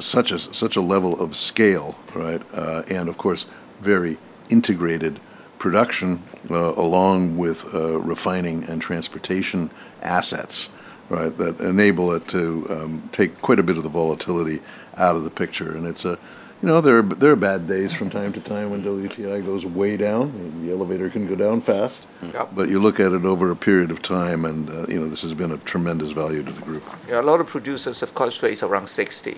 such a level of scale, right, and of course, very integrated production, along with refining and transportation assets, right, that enable it to take quite a bit of the volatility out of the picture. It's, you know, there are bad days from time to time when WTI goes way down, and the elevator can go down fast. You look at it over a period of time and, you know, this has been a tremendous value to the group. Yeah, a lot of producers, of course, face around $60.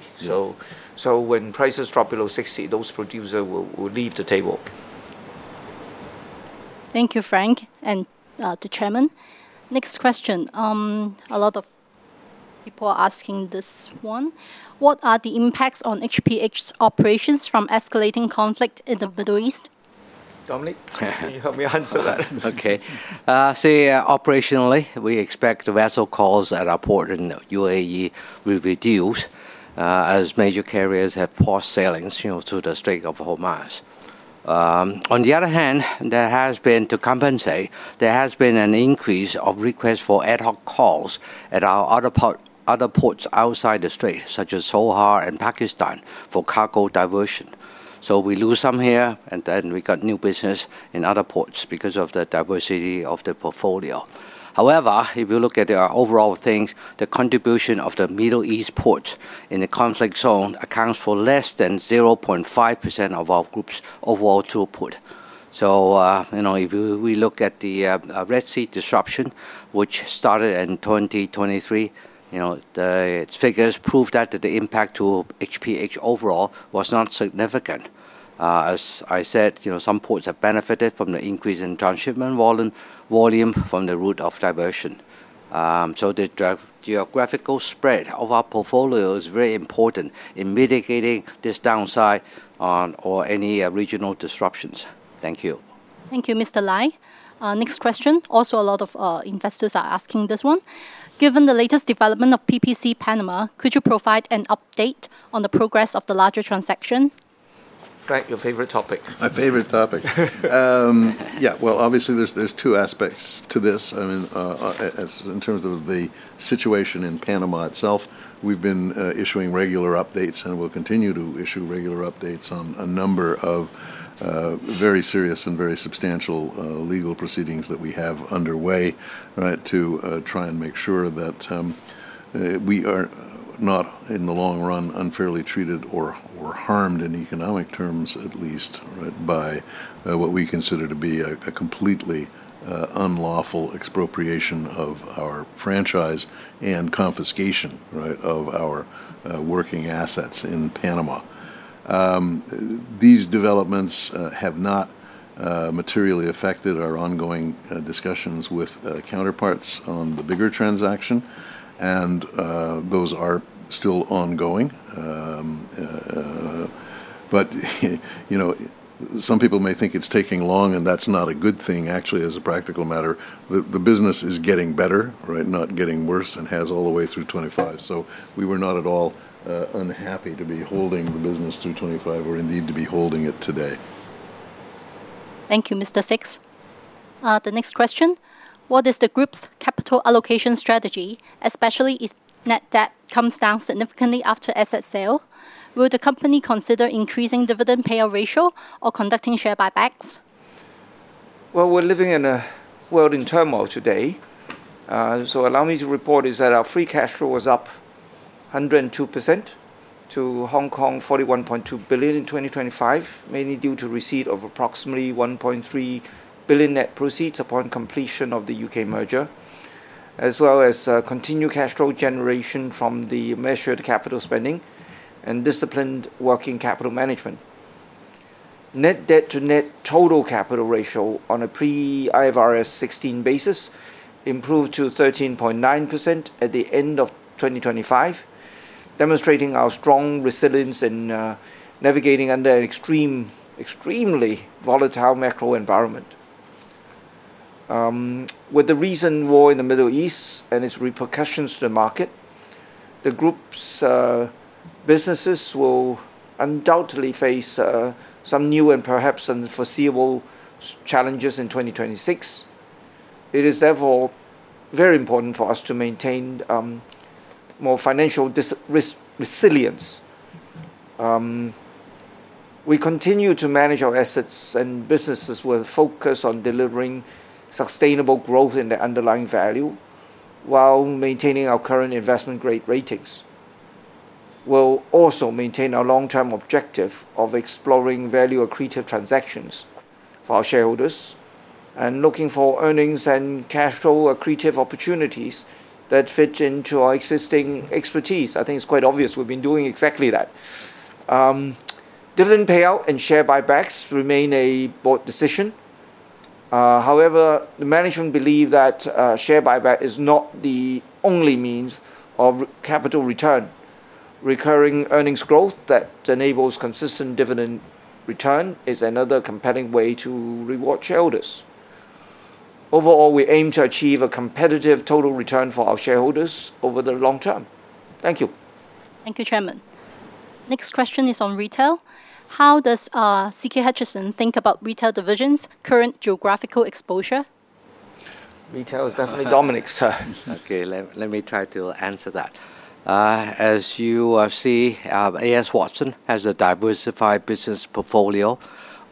When prices drop below $60, those producers will leave the table. Thank you, Frank and the chairman. Next question. A lot of people are asking this one. What are the impacts on HPH's operations from escalating conflict in the Middle East? Dominic, can you help me answer that? Okay. Operationally, we expect the vessel calls at our port in UAE will reduce, as major carriers have paused sailings, you know, to the Strait of Hormuz. On the other hand, to compensate, there has been an increase of requests for ad hoc calls at our other ports outside the strait, such as Sohar and Pakistan, for cargo diversion. We lose some here, and then we got new business in other ports because of the diversity of the portfolio. However, if you look at the overall things, the contribution of the Middle East ports in the conflict zone accounts for less than 0.5% of our group's overall throughput. If we look at the Red Sea disruption, which started in 2023, you know, its figures prove that the impact to HPH overall was not significant. As I said, you know, some ports have benefited from the increase in transshipment volume from the route of diversion. The geographical spread of our portfolio is very important in mitigating this downside or any regional disruptions. Thank you. Thank you, Mr. Lai. Next question. Also a lot of investors are asking this one. Given the latest development of PPC Panama, could you provide an update on the progress of the larger transaction? Frank, your favorite topic. My favorite topic. Obviously, there's two aspects to this. I mean, as in terms of the situation in Panama itself, we've been issuing regular updates and will continue to issue regular updates on a number of very serious and very substantial legal proceedings that we have underway, right? To try and make sure that we are not, in the long run, unfairly treated or harmed in economic terms, at least, by what we consider to be a completely unlawful expropriation of our franchise and confiscation, right, of our working assets in Panama. These developments have not materially affected our ongoing discussions with counterparts on the bigger transaction, and those are still ongoing. You know, some people may think it's taking long, and that's not a good thing. Actually, as a practical matter, the business is getting better, right? Not getting worse, and has all the way through 2025. We were not at all unhappy to be holding the business through 2025 or indeed to be holding it today. Thank you, Mr. Sixt. The next question: what is the group's capital allocation strategy, especially if net debt comes down significantly after asset sale? Will the company consider increasing dividend payout ratio or conducting share buybacks? Well, we're living in a world in turmoil today. Allow me to report that our free cash flow was up 102% to 41.2 billion in 2025, mainly due to receipt of approximately 1.3 billion net proceeds upon completion of the UK merger, as well as continued cash flow generation from the measured capital spending and disciplined working capital management. Net debt to net total capital ratio on a pre-IFRS 16 basis improved to 13.9% at the end of 2025, demonstrating our strong resilience in navigating an extremely volatile macro environment. With the recent war in the Middle East and its repercussions to the market, the group's businesses will undoubtedly face some new and perhaps unforeseeable challenges in 2026. It is therefore very important for us to maintain more financial resilience. We continue to manage our assets and businesses with focus on delivering sustainable growth in the underlying value while maintaining our current investment-grade ratings. We'll also maintain our long-term objective of exploring value-accretive transactions for our shareholders and looking for earnings and cash flow-accretive opportunities that fit into our existing expertise. I think it's quite obvious we've been doing exactly that. Dividend payout and share buybacks remain a board decision. However, the management believe that share buyback is not the only means of capital return. Recurring earnings growth that enables consistent dividend return is another compelling way to reward shareholders. Overall, we aim to achieve a competitive total return for our shareholders over the long term. Thank you. Thank you, Chairman. Next question is on retail. How does CK Hutchison think about retail division's current geographical exposure? Retail is definitely Dominic's turn. Okay, let me try to answer that. As you see, A.S. Watson has a diversified business portfolio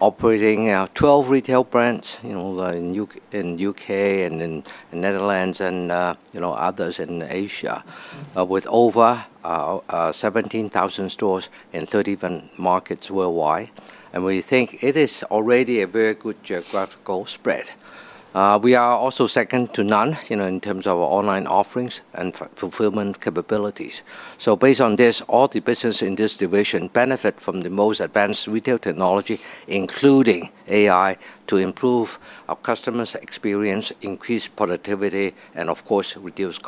operating 12 retail brands, you know, in U.K. and in Netherlands and others in Asia, with over 17,000 stores in 31 markets worldwide. We think it is already a very good geographical spread. We are also second to none, you know, in terms of our online offerings and fulfillment capabilities. Based on this, all the business in this division benefit from the most advanced retail technology, including AI, to improve our customers' experience, increase productivity, and of course reduce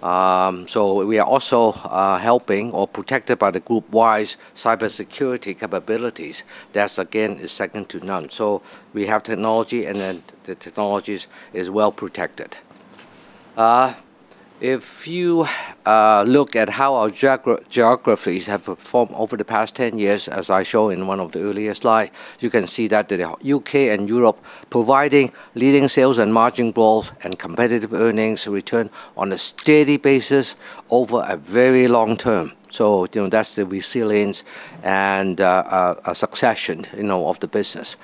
cost. We are also helping or protected by the group-wide cybersecurity capabilities. That, again, is second to none. We have technology, and then the technologies is well-protected. If you look at how our geographies have performed over the past 10 years, as I show in one of the earliest slide, you can see that the U.K. and Europe providing leading sales and margin growth and competitive earnings return on a steady basis over a very long term. You know, that's the resilience and a succession, you know, of the business.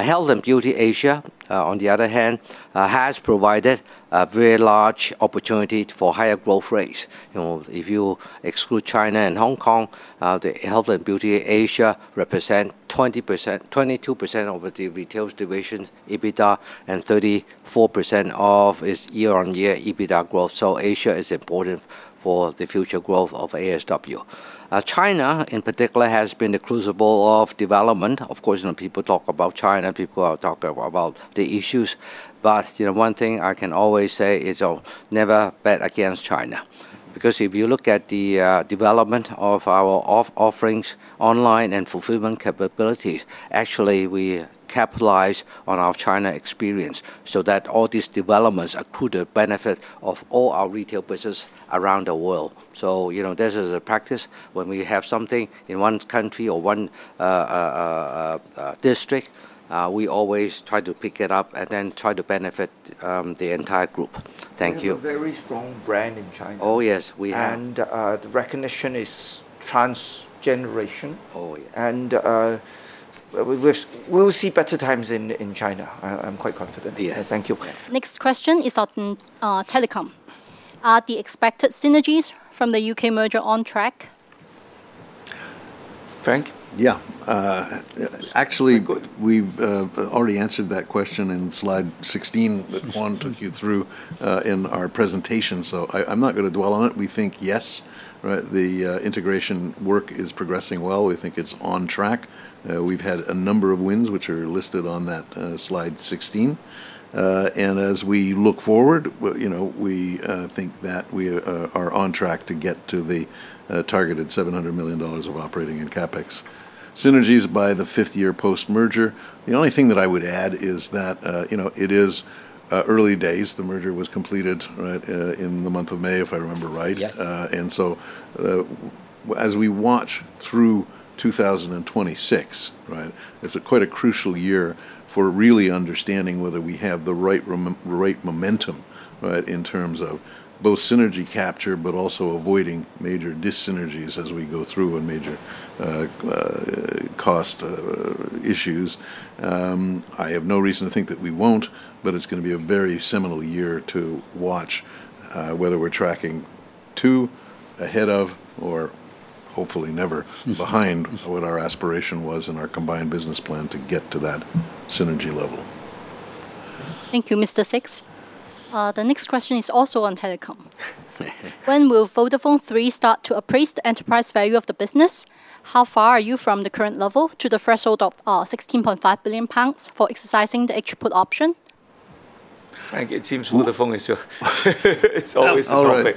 Health and Beauty Asia, on the other hand, has provided a very large opportunity for higher growth rates. You know, if you exclude China and Hong Kong, the Health and Beauty Asia represent 22% over the retail division EBITA and 34% of its year-on-year EBITA growth. Asia is important for the future growth of ASW. China in particular has been the crucible of development. Of course, you know, people talk about China, people are talking about the issues. You know, one thing I can always say is, never bet against China. Because if you look at the development of our offerings online and fulfillment capabilities, actually we capitalize on our China experience so that all these developments accrue the benefit of all our retail business around the world. You know, this is a practice when we have something in one country or one district, we always try to pick it up and then try to benefit the entire group. Thank you. We have a very strong brand in China. Yes. We have. The recognition is trans-generation. We will see better times in China. I'm quite confident. Thank you. Next question is on telecom. Are the expected synergies from the U.K. merger on track? Frank? Yeah. Actually, we've already answered that question in slide 16 that Kwan took you through in our presentation, so I'm not gonna dwell on it. We think, yes, right? The integration work is progressing well. We think it's on track. We've had a number of wins which are listed on that slide 16. As we look forward, well, you know, we think that we are on track to get to the targeted GBP 700 million of operating and CapEx synergies by the fifth year post-merger. The only thing that I would add is that, you know, it is early days. The merger was completed, right, in the month of May, if I remember right. As we watch through 2026, right? It's quite a crucial year for really understanding whether we have the right momentum, right, in terms of both synergy capture, but also avoiding major dyssynergies as we go through and major cost issues. I have no reason to think that we won't, but it's gonna be a very seminal year to watch whether we're tracking to, ahead of, or hopefully never behind what our aspiration was and our combined business plan to get to that synergy level. Thank you, Mr. Sixt. The next question is also on telecom. When will VodafoneThree start to appraise the enterprise value of the business? How far are you from the current level to the threshold of 16.5 billion pounds for exercising the H put option? Frank, it seems Vodafone is. It's always the topic.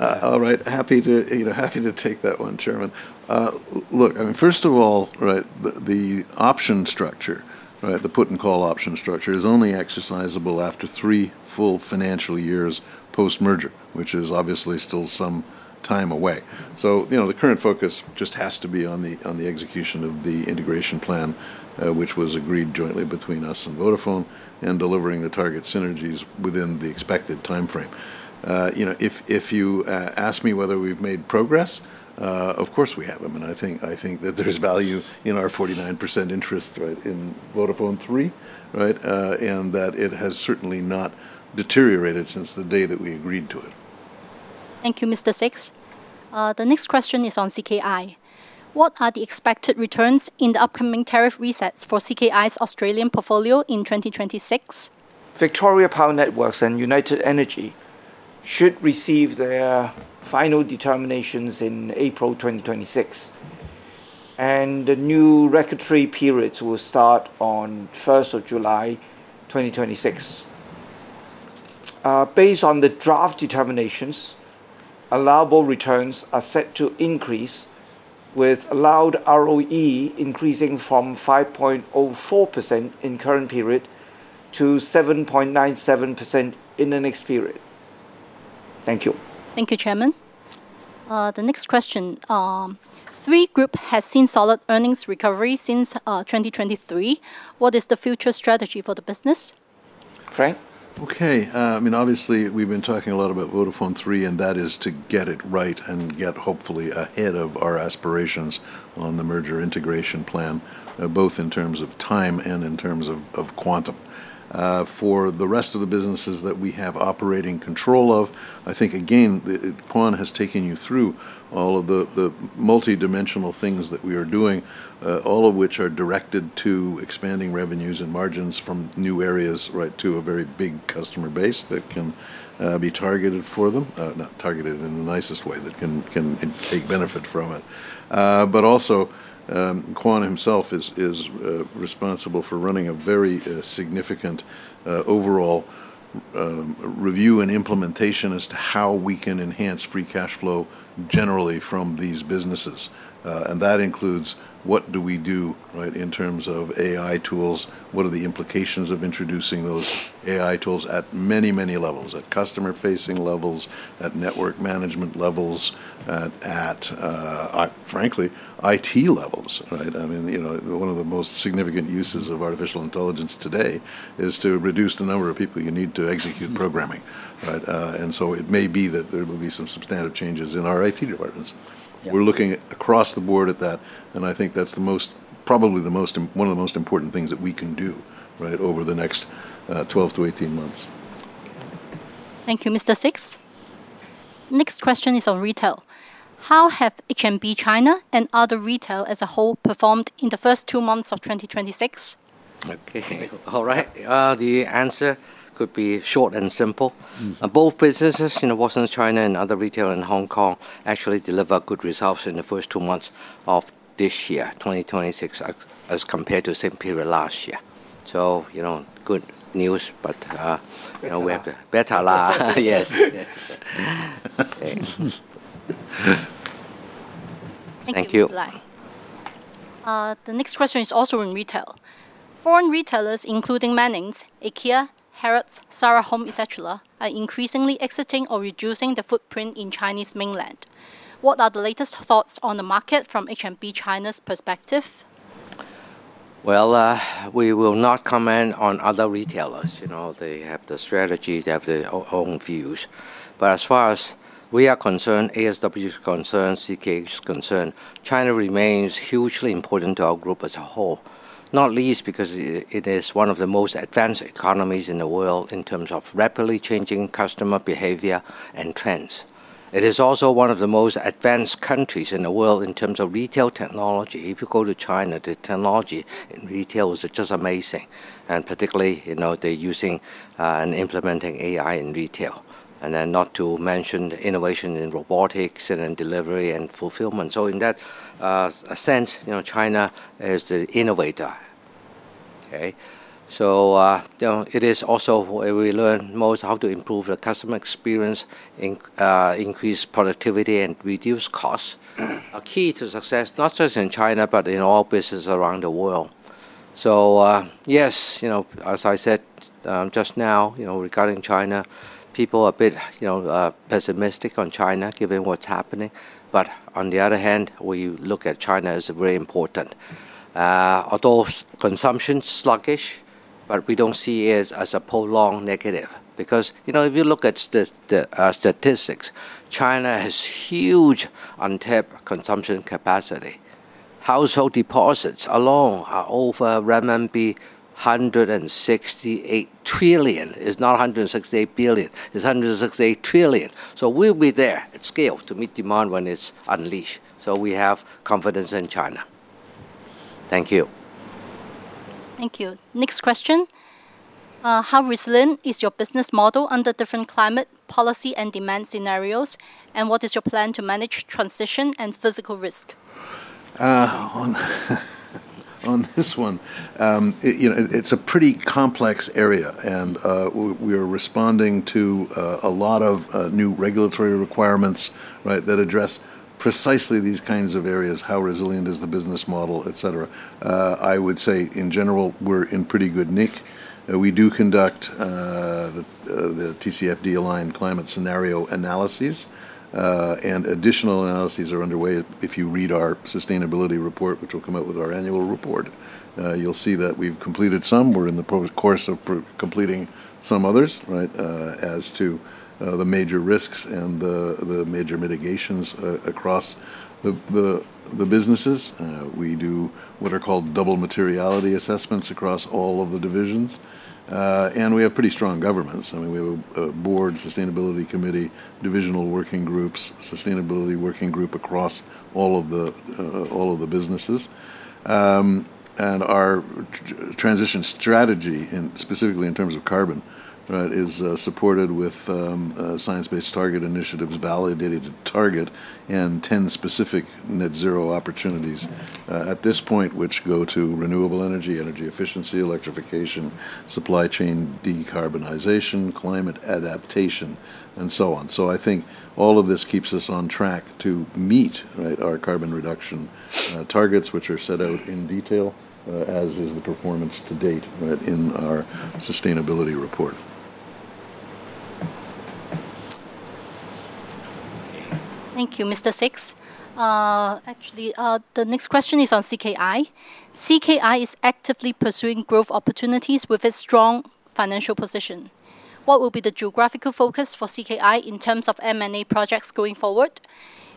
All right. All right. Happy to, you know, happy to take that one, Chairman. Well, look, I mean, first of all, right, the option structure, right, the put and call option structure is only exercisable after three full financial years post-merger, which is obviously still some time away. You know, the current focus just has to be on the execution of the integration plan, which was agreed jointly between us and Vodafone and delivering the target synergies within the expected timeframe. You know, if you ask me whether we've made progress, of course we have. I mean, I think that there's value in our 49% interest, right, in VodafoneThree, right? And that it has certainly not deteriorated since the day that we agreed to it. Thank you, Mr. Sixt. The next question is on CKI. What are the expected returns in the upcoming tariff resets for CKI's Australian portfolio in 2026? Victoria Power Networks and United Energy should receive their final determinations in April 2026, and the new regulatory periods will start on 1st of July 2026. Based on the draft determinations, allowable returns are set to increase, with allowed ROE increasing from 5.04% in current period to 7.97% in the next period. Thank you. Thank you, Chairman. The next question. Three Group has seen solid earnings recovery since 2023. What is the future strategy for the business? Okay. I mean, obviously, we've been talking a lot about VodafoneThree, and that is to get it right and get, hopefully, ahead of our aspirations on the merger integration plan, both in terms of time and in terms of quantum. For the rest of the businesses that we have operating control of, I think again, Kwan has taken you through all of the multidimensional things that we are doing, all of which are directed to expanding revenues and margins from new areas right to a very big customer base that can be targeted for them. Targeted in the nicest way that can take benefit from it. Kwan himself is responsible for running a very significant overall review and implementation as to how we can enhance free cash flow generally from these businesses. That includes what do we do, right, in terms of AI tools? What are the implications of introducing those AI tools at many, many levels? At customer-facing levels, at network management levels, at frankly, IT levels, right? I mean, you know, one of the most significant uses of artificial intelligence today is to reduce the number of people you need to execute programming, right? It may be that there will be some substantive changes in our IT departments. We're looking across the board at that, and I think that's probably one of the most important things that we can do, right, over the next 12-18 months. Thank you, Mr. Sixt. Next question is on retail. How have H&B China and other retail as a whole performed in the first two months of 2026? Okay. All right. The answer could be short and simple. Both businesses, you know, Watsons China and other retail in Hong Kong, actually deliver good results in the first two months of this year, 2026, as compared to same period last year. So, you know, good news, but. Better luck. Better luck. Yes. Yes. Okay. Thank you. Thank you, Mr. Lai. The next question is also in retail. Foreign retailers, including Mannings, IKEA, Harrods, Zara Home, et cetera, are increasingly exiting or reducing their footprint in Chinese mainland. What are the latest thoughts on the market from H&B China's perspective? Well, we will not comment on other retailers. You know, they have their strategies, they have their own views. But as far as we are concerned, ASW is concerned, CK is concerned, China remains hugely important to our group as a whole. Not least because it is one of the most advanced economies in the world in terms of rapidly changing customer behavior and trends. It is also one of the most advanced countries in the world in terms of retail technology. If you go to China, the technology in retail is just amazing. Particularly, you know, they're using and implementing AI in retail. Then not to mention the innovation in robotics and in delivery and fulfillment. In that sense, you know, China is the innovator. Okay. It is also where we learn most how to improve the customer experience, increase productivity and reduce costs. A key to success, not just in China, but in all business around the world. Yes, you know, as I said, just now, you know, regarding China, people are a bit, you know, pessimistic on China given what's happening. On the other hand, we look at China as very important. Although consumption's sluggish, but we don't see it as a prolonged negative. Because, you know, if you look at statistics, China has huge untapped consumption capacity. Household deposits alone are over RMB 168 trillion. It's not 168 billion, it's 168 trillion. We'll be there at scale to meet demand when it's unleashed. We have confidence in China. Thank you. Thank you. Next question. How resilient is your business model under different climate policy and demand scenarios? What is your plan to manage transition and physical risk? On this one, you know, it's a pretty complex area, and we are responding to a lot of new regulatory requirements, right, that address precisely these kinds of areas, how resilient is the business model, et cetera. I would say, in general, we're in pretty good nick. We do conduct the TCFD-aligned climate scenario analyses, and additional analyses are underway. If you read our sustainability report, which will come out with our annual report, you'll see that we've completed some. We're in the process of completing some others, right? As to the major risks and the major mitigations across the businesses. We do what are called double materiality assessments across all of the divisions. We have pretty strong governance. I mean, we have a board sustainability committee, divisional working groups, sustainability working group across all of the businesses. Our transition strategy, specifically in terms of carbon, right, is supported with Science Based Targets initiative, validated target, and 10 specific net zero opportunities. At this point, which go to renewable energy efficiency, electrification, supply chain decarbonization, climate adaptation, and so on. I think all of this keeps us on track to meet, right, our carbon reduction targets, which are set out in detail, as is the performance to date, right, in our sustainability report. Thank you, Mr. Sixt. Actually, the next question is on CKI. CKI is actively pursuing growth opportunities with a strong financial position. What will be the geographical focus for CKI in terms of M&A projects going forward?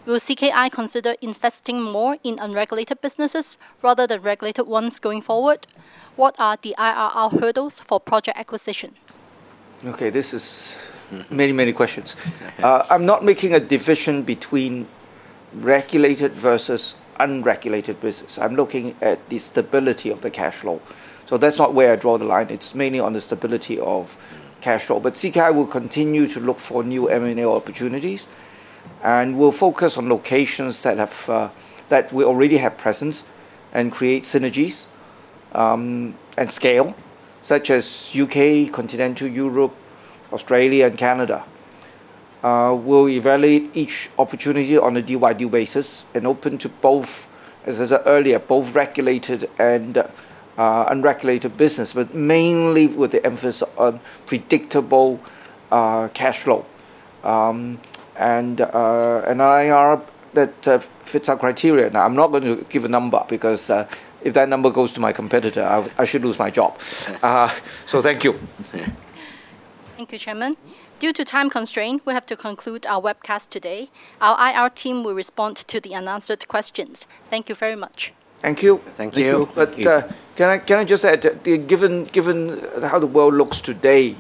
Will CKI consider investing more in unregulated businesses rather than regulated ones going forward? What are the IRR hurdles for project acquisition? Many, many questions. I'm not making a division between regulated versus unregulated business. I'm looking at the stability of the cash flow. That's not where I draw the line. It's mainly on the stability of cash flow. CKI will continue to look for new M&A opportunities, and we'll focus on locations that we already have presence and create synergies, and scale, such as U.K., Continental Europe, Australia, and Canada. We'll evaluate each opportunity on a deal-by-deal basis and open to both, as I said earlier, both regulated and unregulated business, but mainly with the emphasis on predictable cash flow. And an IRR that fits our criteria. Now, I'm not going to give a number because if that number goes to my competitor, I should lose my job. Thank you. Thank you, Chairman. Due to time constraint, we have to conclude our webcast today. Our IR team will respond to the unanswered questions. Thank you very much. Thank you. Thank you. Can I just add, given how the world looks today,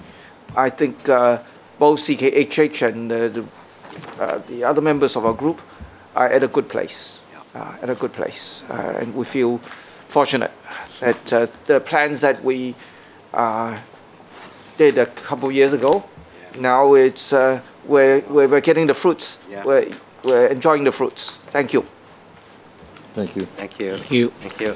I think both CKHH and the other members of our group are at a good place. At a good place. We feel fortunate that the plans that we did a couple years ago. Now it's, we're getting the fruits. We're enjoying the fruits. Thank you. Thank you.